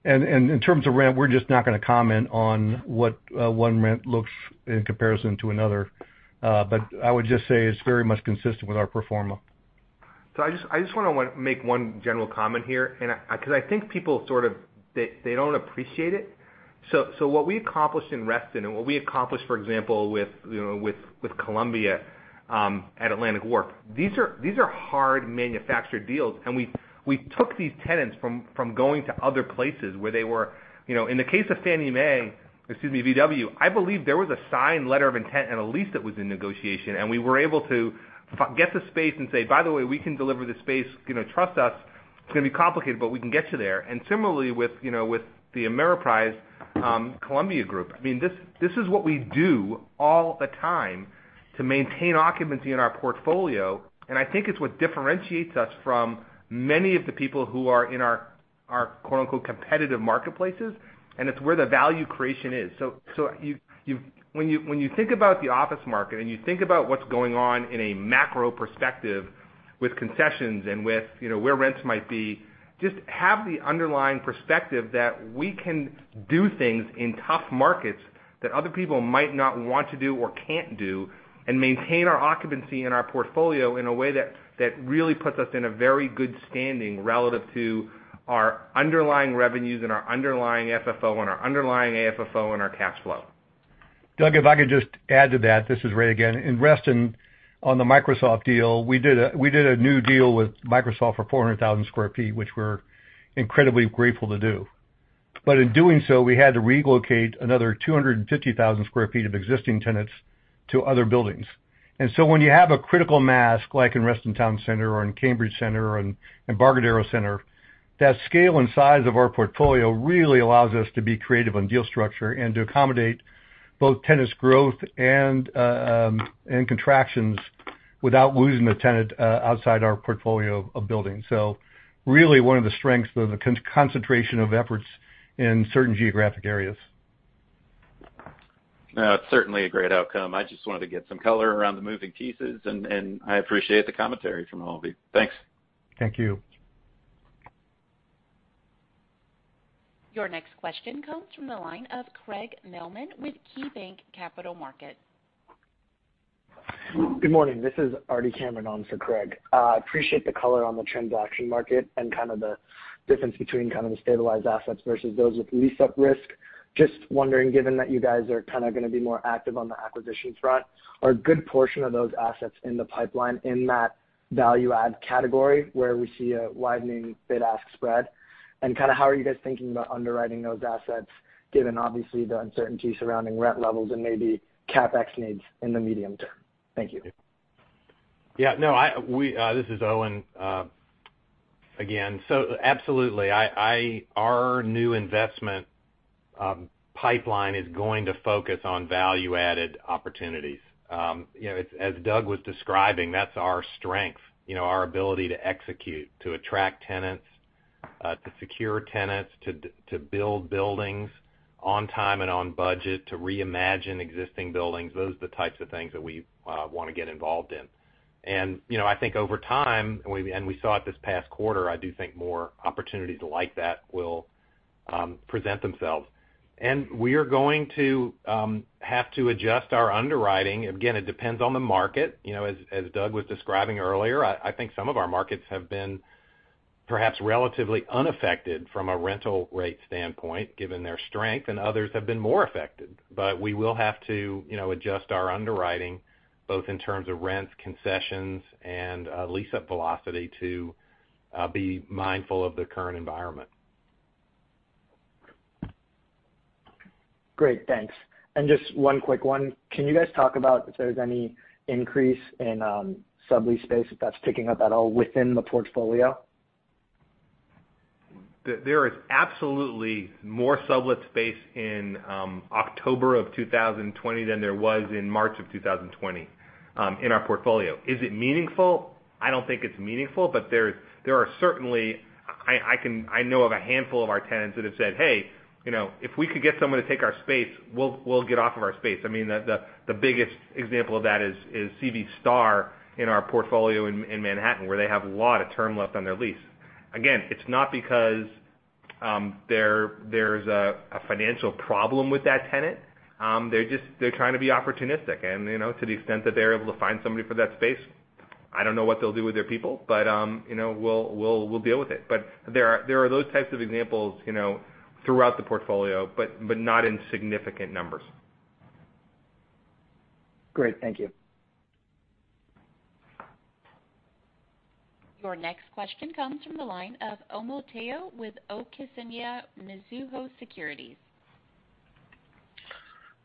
In terms of rent, we're just not going to comment on what one rent looks in comparison to another. I would just say it's very much consistent with our pro forma. I just want to make one general comment here, because I think people sort of they don't appreciate it. What we accomplished in Reston, and what we accomplished, for example, with Columbia at Atlantic Wharf, these are hard manufactured deals. We took these tenants from going to other places, where they were In the case of Fannie Mae, excuse me, VW, I believe there was a signed letter of intent and a lease that was in negotiation, and we were able to get the space and say, "By the way, we can deliver the space. Trust us. It's going to be complicated, but we can get you there." Similarly, with the Ameriprise Columbia group. This is what we do all the time to maintain occupancy in our portfolio, and I think it's what differentiates us from many of the people who are in our "competitive marketplaces," and it's where the value creation is. When you think about the office market, and you think about what's going on in a macro perspective with concessions and with where rents might be, just have the underlying perspective that we can do things in tough markets that other people might not want to do or can't do, and maintain our occupancy in our portfolio in a way that really puts us in a very good standing relative to our underlying revenues and our underlying FFO and our underlying AFFO and our cash flow. Doug, if I could just add to that. This is Ray again. In Reston, on the Microsoft deal, we did a new deal with Microsoft for 400,000 sq ft, which we're incredibly grateful to do. In doing so, we had to relocate another 250,000 sq ft of existing tenants to other buildings. When you have a critical mass, like in Reston Town Center or in Cambridge Center or in Embarcadero Center, that scale and size of our portfolio really allows us to be creative on deal structure and to accommodate both tenants' growth and contractions without losing the tenant outside our portfolio of buildings. Really, one of the strengths of the concentration of efforts in certain geographic areas. No, it's certainly a great outcome. I just wanted to get some color around the moving pieces, and I appreciate the commentary from all of you. Thanks. Thank you. Your next question comes from the line of Craig Mailman with KeyBanc Capital Markets. Good morning. This is Ardie Kamran on for Craig. Appreciate the color on the transaction market and kind of the difference between the stabilized assets versus those with lease-up risk. Just wondering, given that you guys are kind of going to be more active on the acquisition front, are a good portion of those assets in the pipeline in that value add category where we see a widening bid-ask spread? How are you guys thinking about underwriting those assets, given obviously the uncertainty surrounding rent levels and maybe CapEx needs in the medium-term? Thank you. Yeah. This is Owen again. Absolutely. Our new investment pipeline is going to focus on value-added opportunities. As Doug was describing, that's our strength, our ability to execute, to attract tenants, to secure tenants, to build buildings on time and on budget, to reimagine existing buildings. Those are the types of things that we want to get involved in. I think over time, and we saw it this past quarter, I do think more opportunities like that will present themselves. We are going to have to adjust our underwriting. Again, it depends on the market. As Doug was describing earlier, I think some of our markets have been perhaps relatively unaffected from a rental rate standpoint, given their strength, and others have been more affected. We will have to adjust our underwriting, both in terms of rents, concessions, and lease-up velocity to be mindful of the current environment. Great. Thanks. Just one quick one. Can you guys talk about if there's any increase in sublease space, if that's ticking up at all within the portfolio? There is absolutely more sublet space in October of 2020 than there was in March of 2020 in our portfolio. Is it meaningful? I don't think it's meaningful, but there are certainly I know of a handful of our tenants that have said, "Hey, if we could get someone to take our space, we'll get off of our space." The biggest example of that is C.V. Starr in our portfolio in Manhattan, where they have a lot of term left on their lease. Again, it's not because there's a financial problem with that tenant. They're trying to be opportunistic. To the extent that they're able to find somebody for that space, I don't know what they'll do with their people, but we'll deal with it. There are those types of examples throughout the portfolio, but not in significant numbers. Great. Thank you. Your next question comes from the line of Omotayo Okusanya with Mizuho Securities.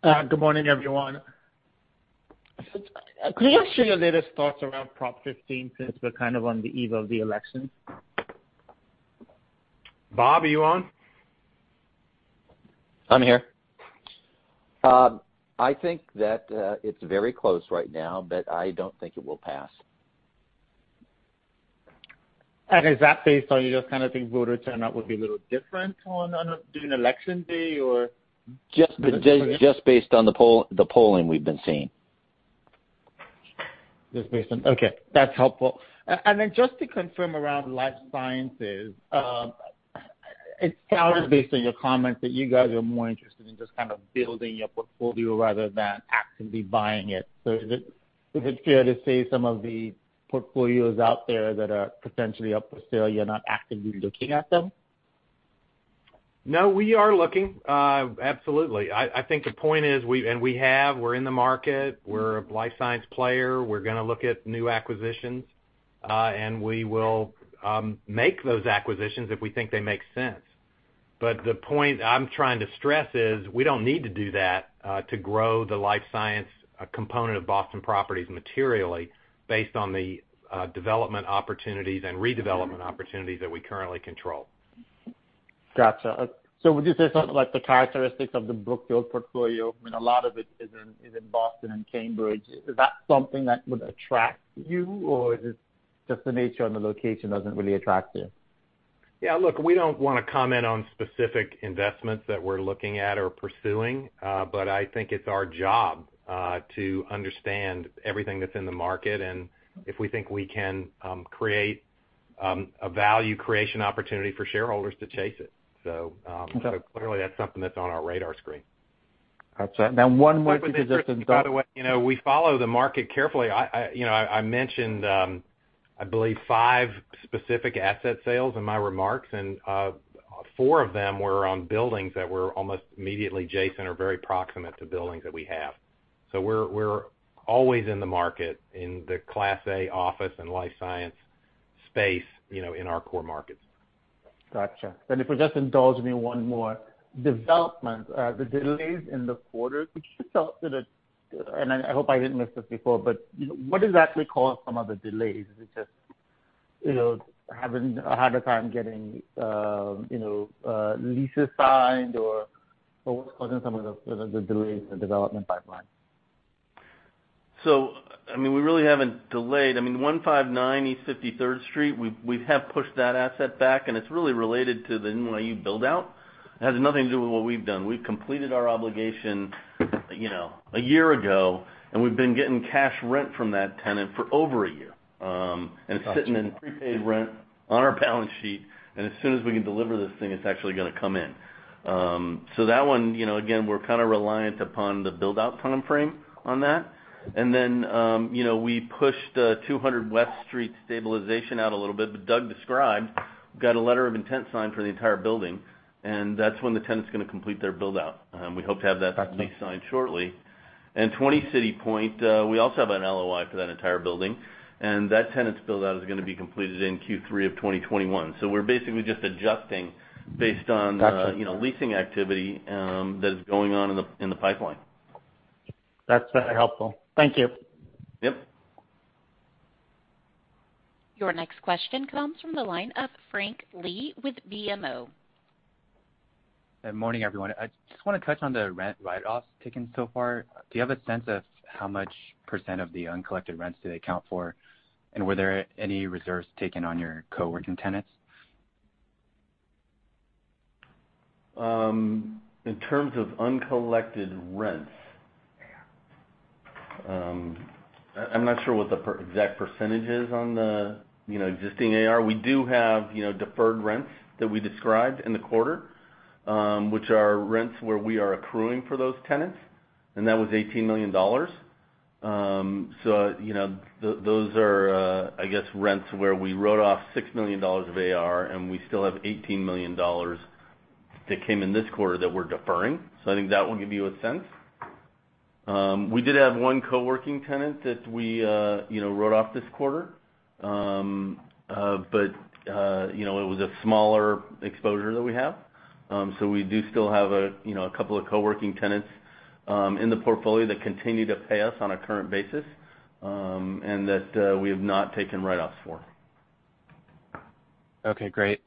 Good morning, everyone. Could you share your latest thoughts around Prop 15 since we're kind of on the eve of the election? Bob, are you on? I'm here. I think that it's very close right now, but I don't think it will pass. Is that based on you just kind of think voter turnout would be a little different during election day, or? Just based on the polling we've been seeing. Okay, that's helpful. Just to confirm around life sciences. It sounded, based on your comments, that you guys are more interested in just kind of building your portfolio rather than actively buying it. Is it fair to say some of the portfolios out there that are potentially up for sale, you're not actively looking at them? No, we are looking. Absolutely. I think the point is, we're in the market. We're a life science player. We're going to look at new acquisitions. We will make those acquisitions if we think they make sense. The point I'm trying to stress is we don't need to do that to grow the life science component of Boston Properties materially based on the development opportunities and redevelopment opportunities that we currently control. Gotcha. Would you say, something like the characteristics of the Brookfield portfolio, I mean, a lot of it is in Boston and Cambridge. Is that something that would attract you, or is it just the nature and the location doesn't really attract you? Yeah, look, we don't want to comment on specific investments that we're looking at or pursuing. I think it's our job to understand everything that's in the market, and if we think we can create a value creation opportunity for shareholders to chase it- Okay. ...clearly that's something that's on our radar screen. I'd say. We follow the market carefully. I mentioned, I believe, five specific asset sales in my remarks, and four of them were on buildings that were almost immediately adjacent or very proximate to buildings that we have. We're always in the market in the Class A office and life science space in our core markets. Gotcha. If you'll just indulge me one more development. The delays in the quarter. I hope I didn't ask this before, what exactly caused some of the delays? Is it just having a harder time getting leases signed, or what's causing some of the delays in the development pipeline? We really haven't delayed. 159 East 53rd Street, we have pushed that asset back, and it's really related to the NYU build-out. It has nothing to do with what we've done. We've completed our obligation a year ago, and we've been getting cash rent from that tenant for over a year. It's sitting in prepaid rent on our balance sheet, and as soon as we can deliver this thing, it's actually gonna come in. That one, again, we're kind of reliant upon the build-out timeframe on that. Then we pushed the 200 West Street stabilization out a little bit, but Doug described, got a letter of intent signed for the entire building, and that's when the tenant's going to complete their build-out. We hope to have that- Gotcha. ...lease signed shortly. 20 CityPoint, we also have an LOI for that entire building. That tenant's build-out is going to be completed in Q3 of 2021. We're basically just adjusting based on- Gotcha. ...leasing activity that is going on in the pipeline. That's very helpful. Thank you. Yep. Your next question comes from the line of Frank Lee with BMO. Good morning, everyone. I just want to touch on the rent write-offs taken so far. Do you have a sense of how much percent of the uncollected rents do they account for? Were there any reserves taken on your co-working tenants? In terms of uncollected rents, I'm not sure what the exact percentage is on the existing AR. We do have deferred rents that we described in the quarter, which are rents where we are accruing for those tenants, and that was $18 million. Those are, I guess, rents where we wrote off $6 million of AR, and we still have $18 million that came in this quarter that we're deferring. I think that will give you a sense. We did have one co-working tenant that we wrote off this quarter. It was a smaller exposure that we have. We do still have a couple of co-working tenants in the portfolio that continue to pay us on a current basis, and that we have not taken write-offs for. Okay, great.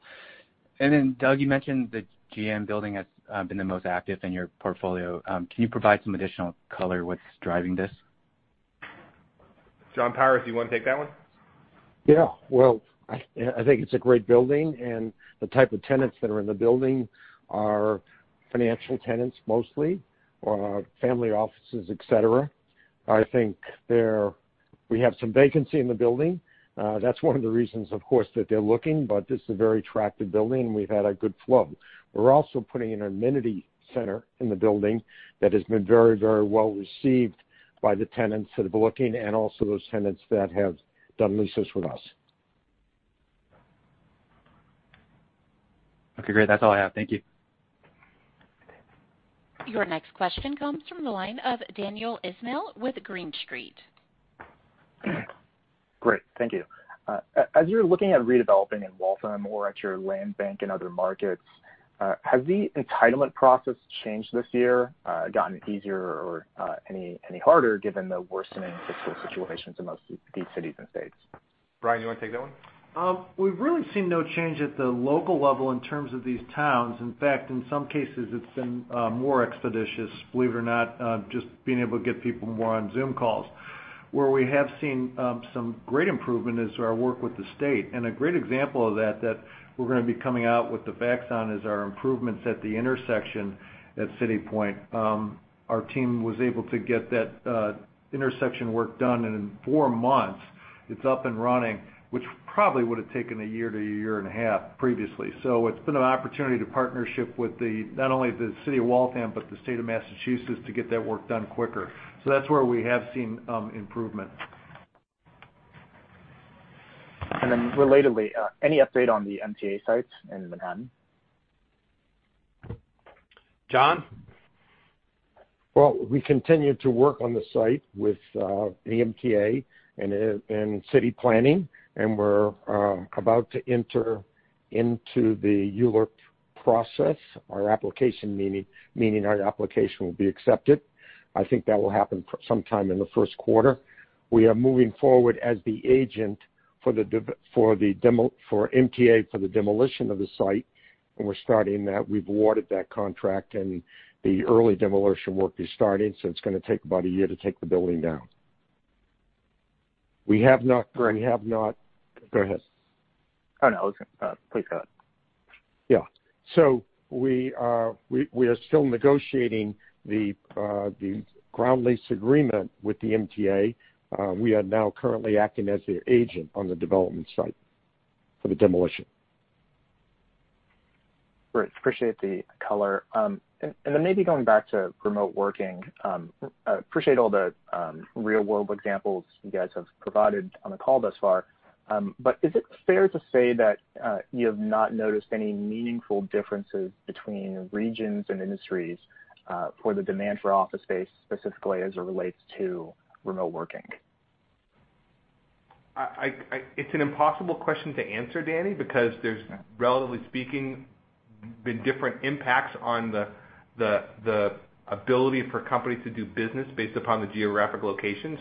Doug, you mentioned the GM Building has been the most active in your portfolio. Can you provide some additional color what's driving this? John Powers, you want to take that one? Yeah. Well, I think it's a great building, the type of tenants that are in the building are financial tenants mostly, or family offices, etc. I think we have some vacancy in the building. That's one of the reasons, of course, that they're looking, this is a very attractive building and we've had a good flow. We're also putting in an amenity center in the building that has been very well received by the tenants that have been looking and also those tenants that have done leases with us. Okay, great. That's all I have. Thank you. Your next question comes from the line of Daniel Ismail with Green Street. Great. Thank you. As you're looking at redeveloping in Waltham or at your land bank in other markets, has the entitlement process changed this year, gotten easier or any harder given the worsening fiscal situation to most of these cities and states? Bryan, you want to take that one? We've really seen no change at the local level in terms of these towns. In fact, in some cases, it's been more expeditious, believe it or not, just being able to get people more on Zoom calls. Where we have seen some great improvement is our work with the state. A great example of that we're going to be coming out with the facts on is our improvements at the intersection at CityPoint. Our team was able to get that intersection work done, in four months it's up and running, which probably would've taken a year to a year and a half previously. It's been an opportunity to partnership with not only the city of Waltham, but the state of Massachusetts to get that work done quicker. That's where we have seen improvement. Relatedly, any update on the MTA sites in Manhattan? John? Well, we continue to work on the site with the MTA and city planning, and we're about to enter into the ULURP process. Our application, meaning our application will be accepted. I think that will happen sometime in the first quarter. We are moving forward as the agent for MTA for the demolition of the site, and we're starting that. We've awarded that contract and the early demolition work is starting, so it's going to take about one year to take the building down. Great. Go ahead. Oh, no. Please go ahead. We are still negotiating the ground lease agreement with the MTA. We are now currently acting as their agent on the development site for the demolition. Great. Appreciate the color. Then maybe going back to remote working, appreciate all the real-world examples you guys have provided on the call thus far. Is it fair to say that you have not noticed any meaningful differences between regions and industries, for the demand for office space specifically as it relates to remote working? It's an impossible question to answer, Danny, because there's relatively speaking, been different impacts on the ability for companies to do business based upon the geographic location.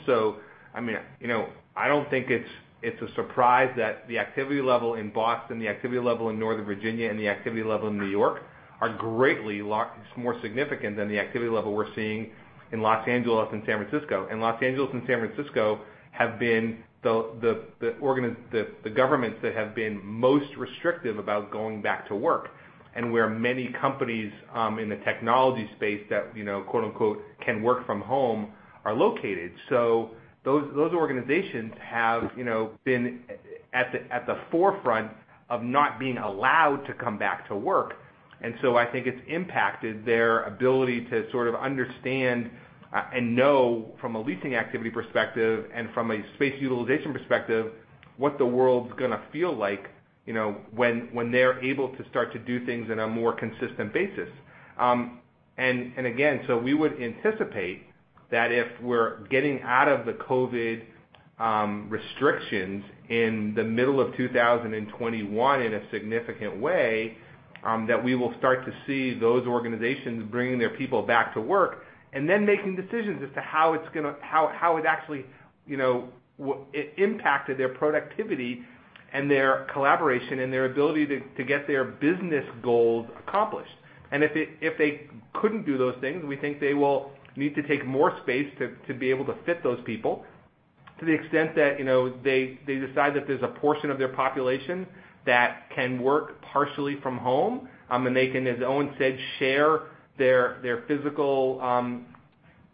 I don't think it's a surprise that the activity level in Boston, the activity level in Northern Virginia, and the activity level in New York are greatly more significant than the activity level we're seeing in Los Angeles and San Francisco. Los Angeles and San Francisco have been the governments that have been most restrictive about going back to work, and where many companies in the technology space that "can work from home" are located. Those organizations have been at the forefront of not being allowed to come back to work. I think it's impacted their ability to sort of understand and know from a leasing activity perspective and from a space utilization perspective, what the world's going to feel like when they're able to start to do things in a more consistent basis. Again, we would anticipate that if we're getting out of the COVID restrictions in the middle of 2021 in a significant way, that we will start to see those organizations bringing their people back to work and then making decisions as to how it actually impacted their productivity and their collaboration and their ability to get their business goals accomplished. If they couldn't do those things, we think they will need to take more space to be able to fit those people. To the extent that they decide that there's a portion of their population that can work partially from home, and they can, as Owen said, share their physical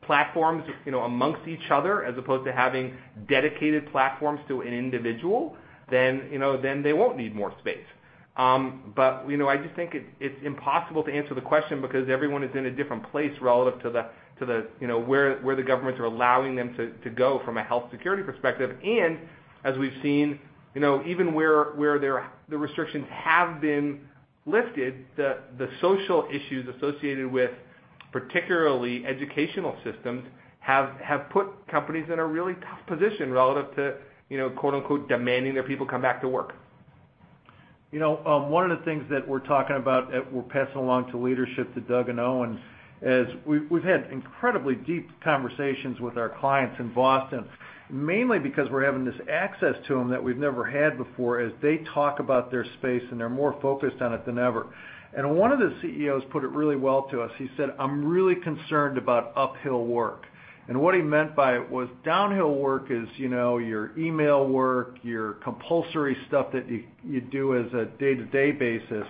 platforms amongst each other as opposed to having dedicated platforms to an individual, then they won't need more space. I just think it's impossible to answer the question because everyone is in a different place relative to where the governments are allowing them to go from a health security perspective. As we've seen, even where the restrictions have been lifted, the social issues associated with particularly educational systems have put companies in a really tough position relative to, quote unquote, demanding their people come back to work. One of the things that we're talking about, that we're passing along to leadership, to Doug and Owen, is we've had incredibly deep conversations with our clients in Boston, mainly because we're having this access to them that we've never had before as they talk about their space, and they're more focused on it than ever. One of the CEOs put it really well to us. He said, "I'm really concerned about uphill work." What he meant by it was downhill work is your email work, your compulsory stuff that you do as a day-to-day basis.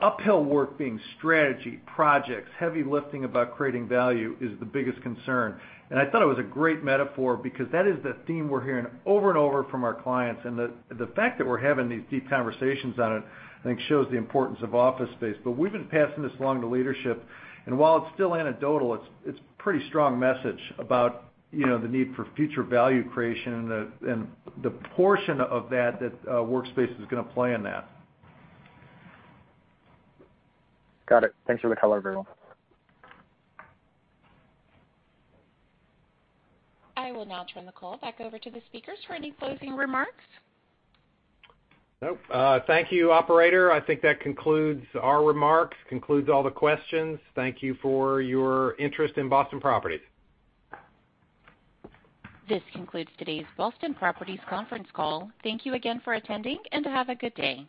Uphill work being strategy, projects, heavy lifting about creating value is the biggest concern. I thought it was a great metaphor because that is the theme we're hearing over and over from our clients. The fact that we're having these deep conversations on it, I think, shows the importance of office space. We've been passing this along to leadership, and while it's still anecdotal, it's pretty strong message about the need for future value creation and the portion of that workspace is going to play in that. Got it. Thanks for the color, everyone. I will now turn the call back over to the speakers for any closing remarks. Nope. Thank you, operator. I think that concludes our remarks, concludes all the questions. Thank you for your interest in Boston Properties. This concludes today's Boston Properties conference call. Thank you again for attending, and have a good day.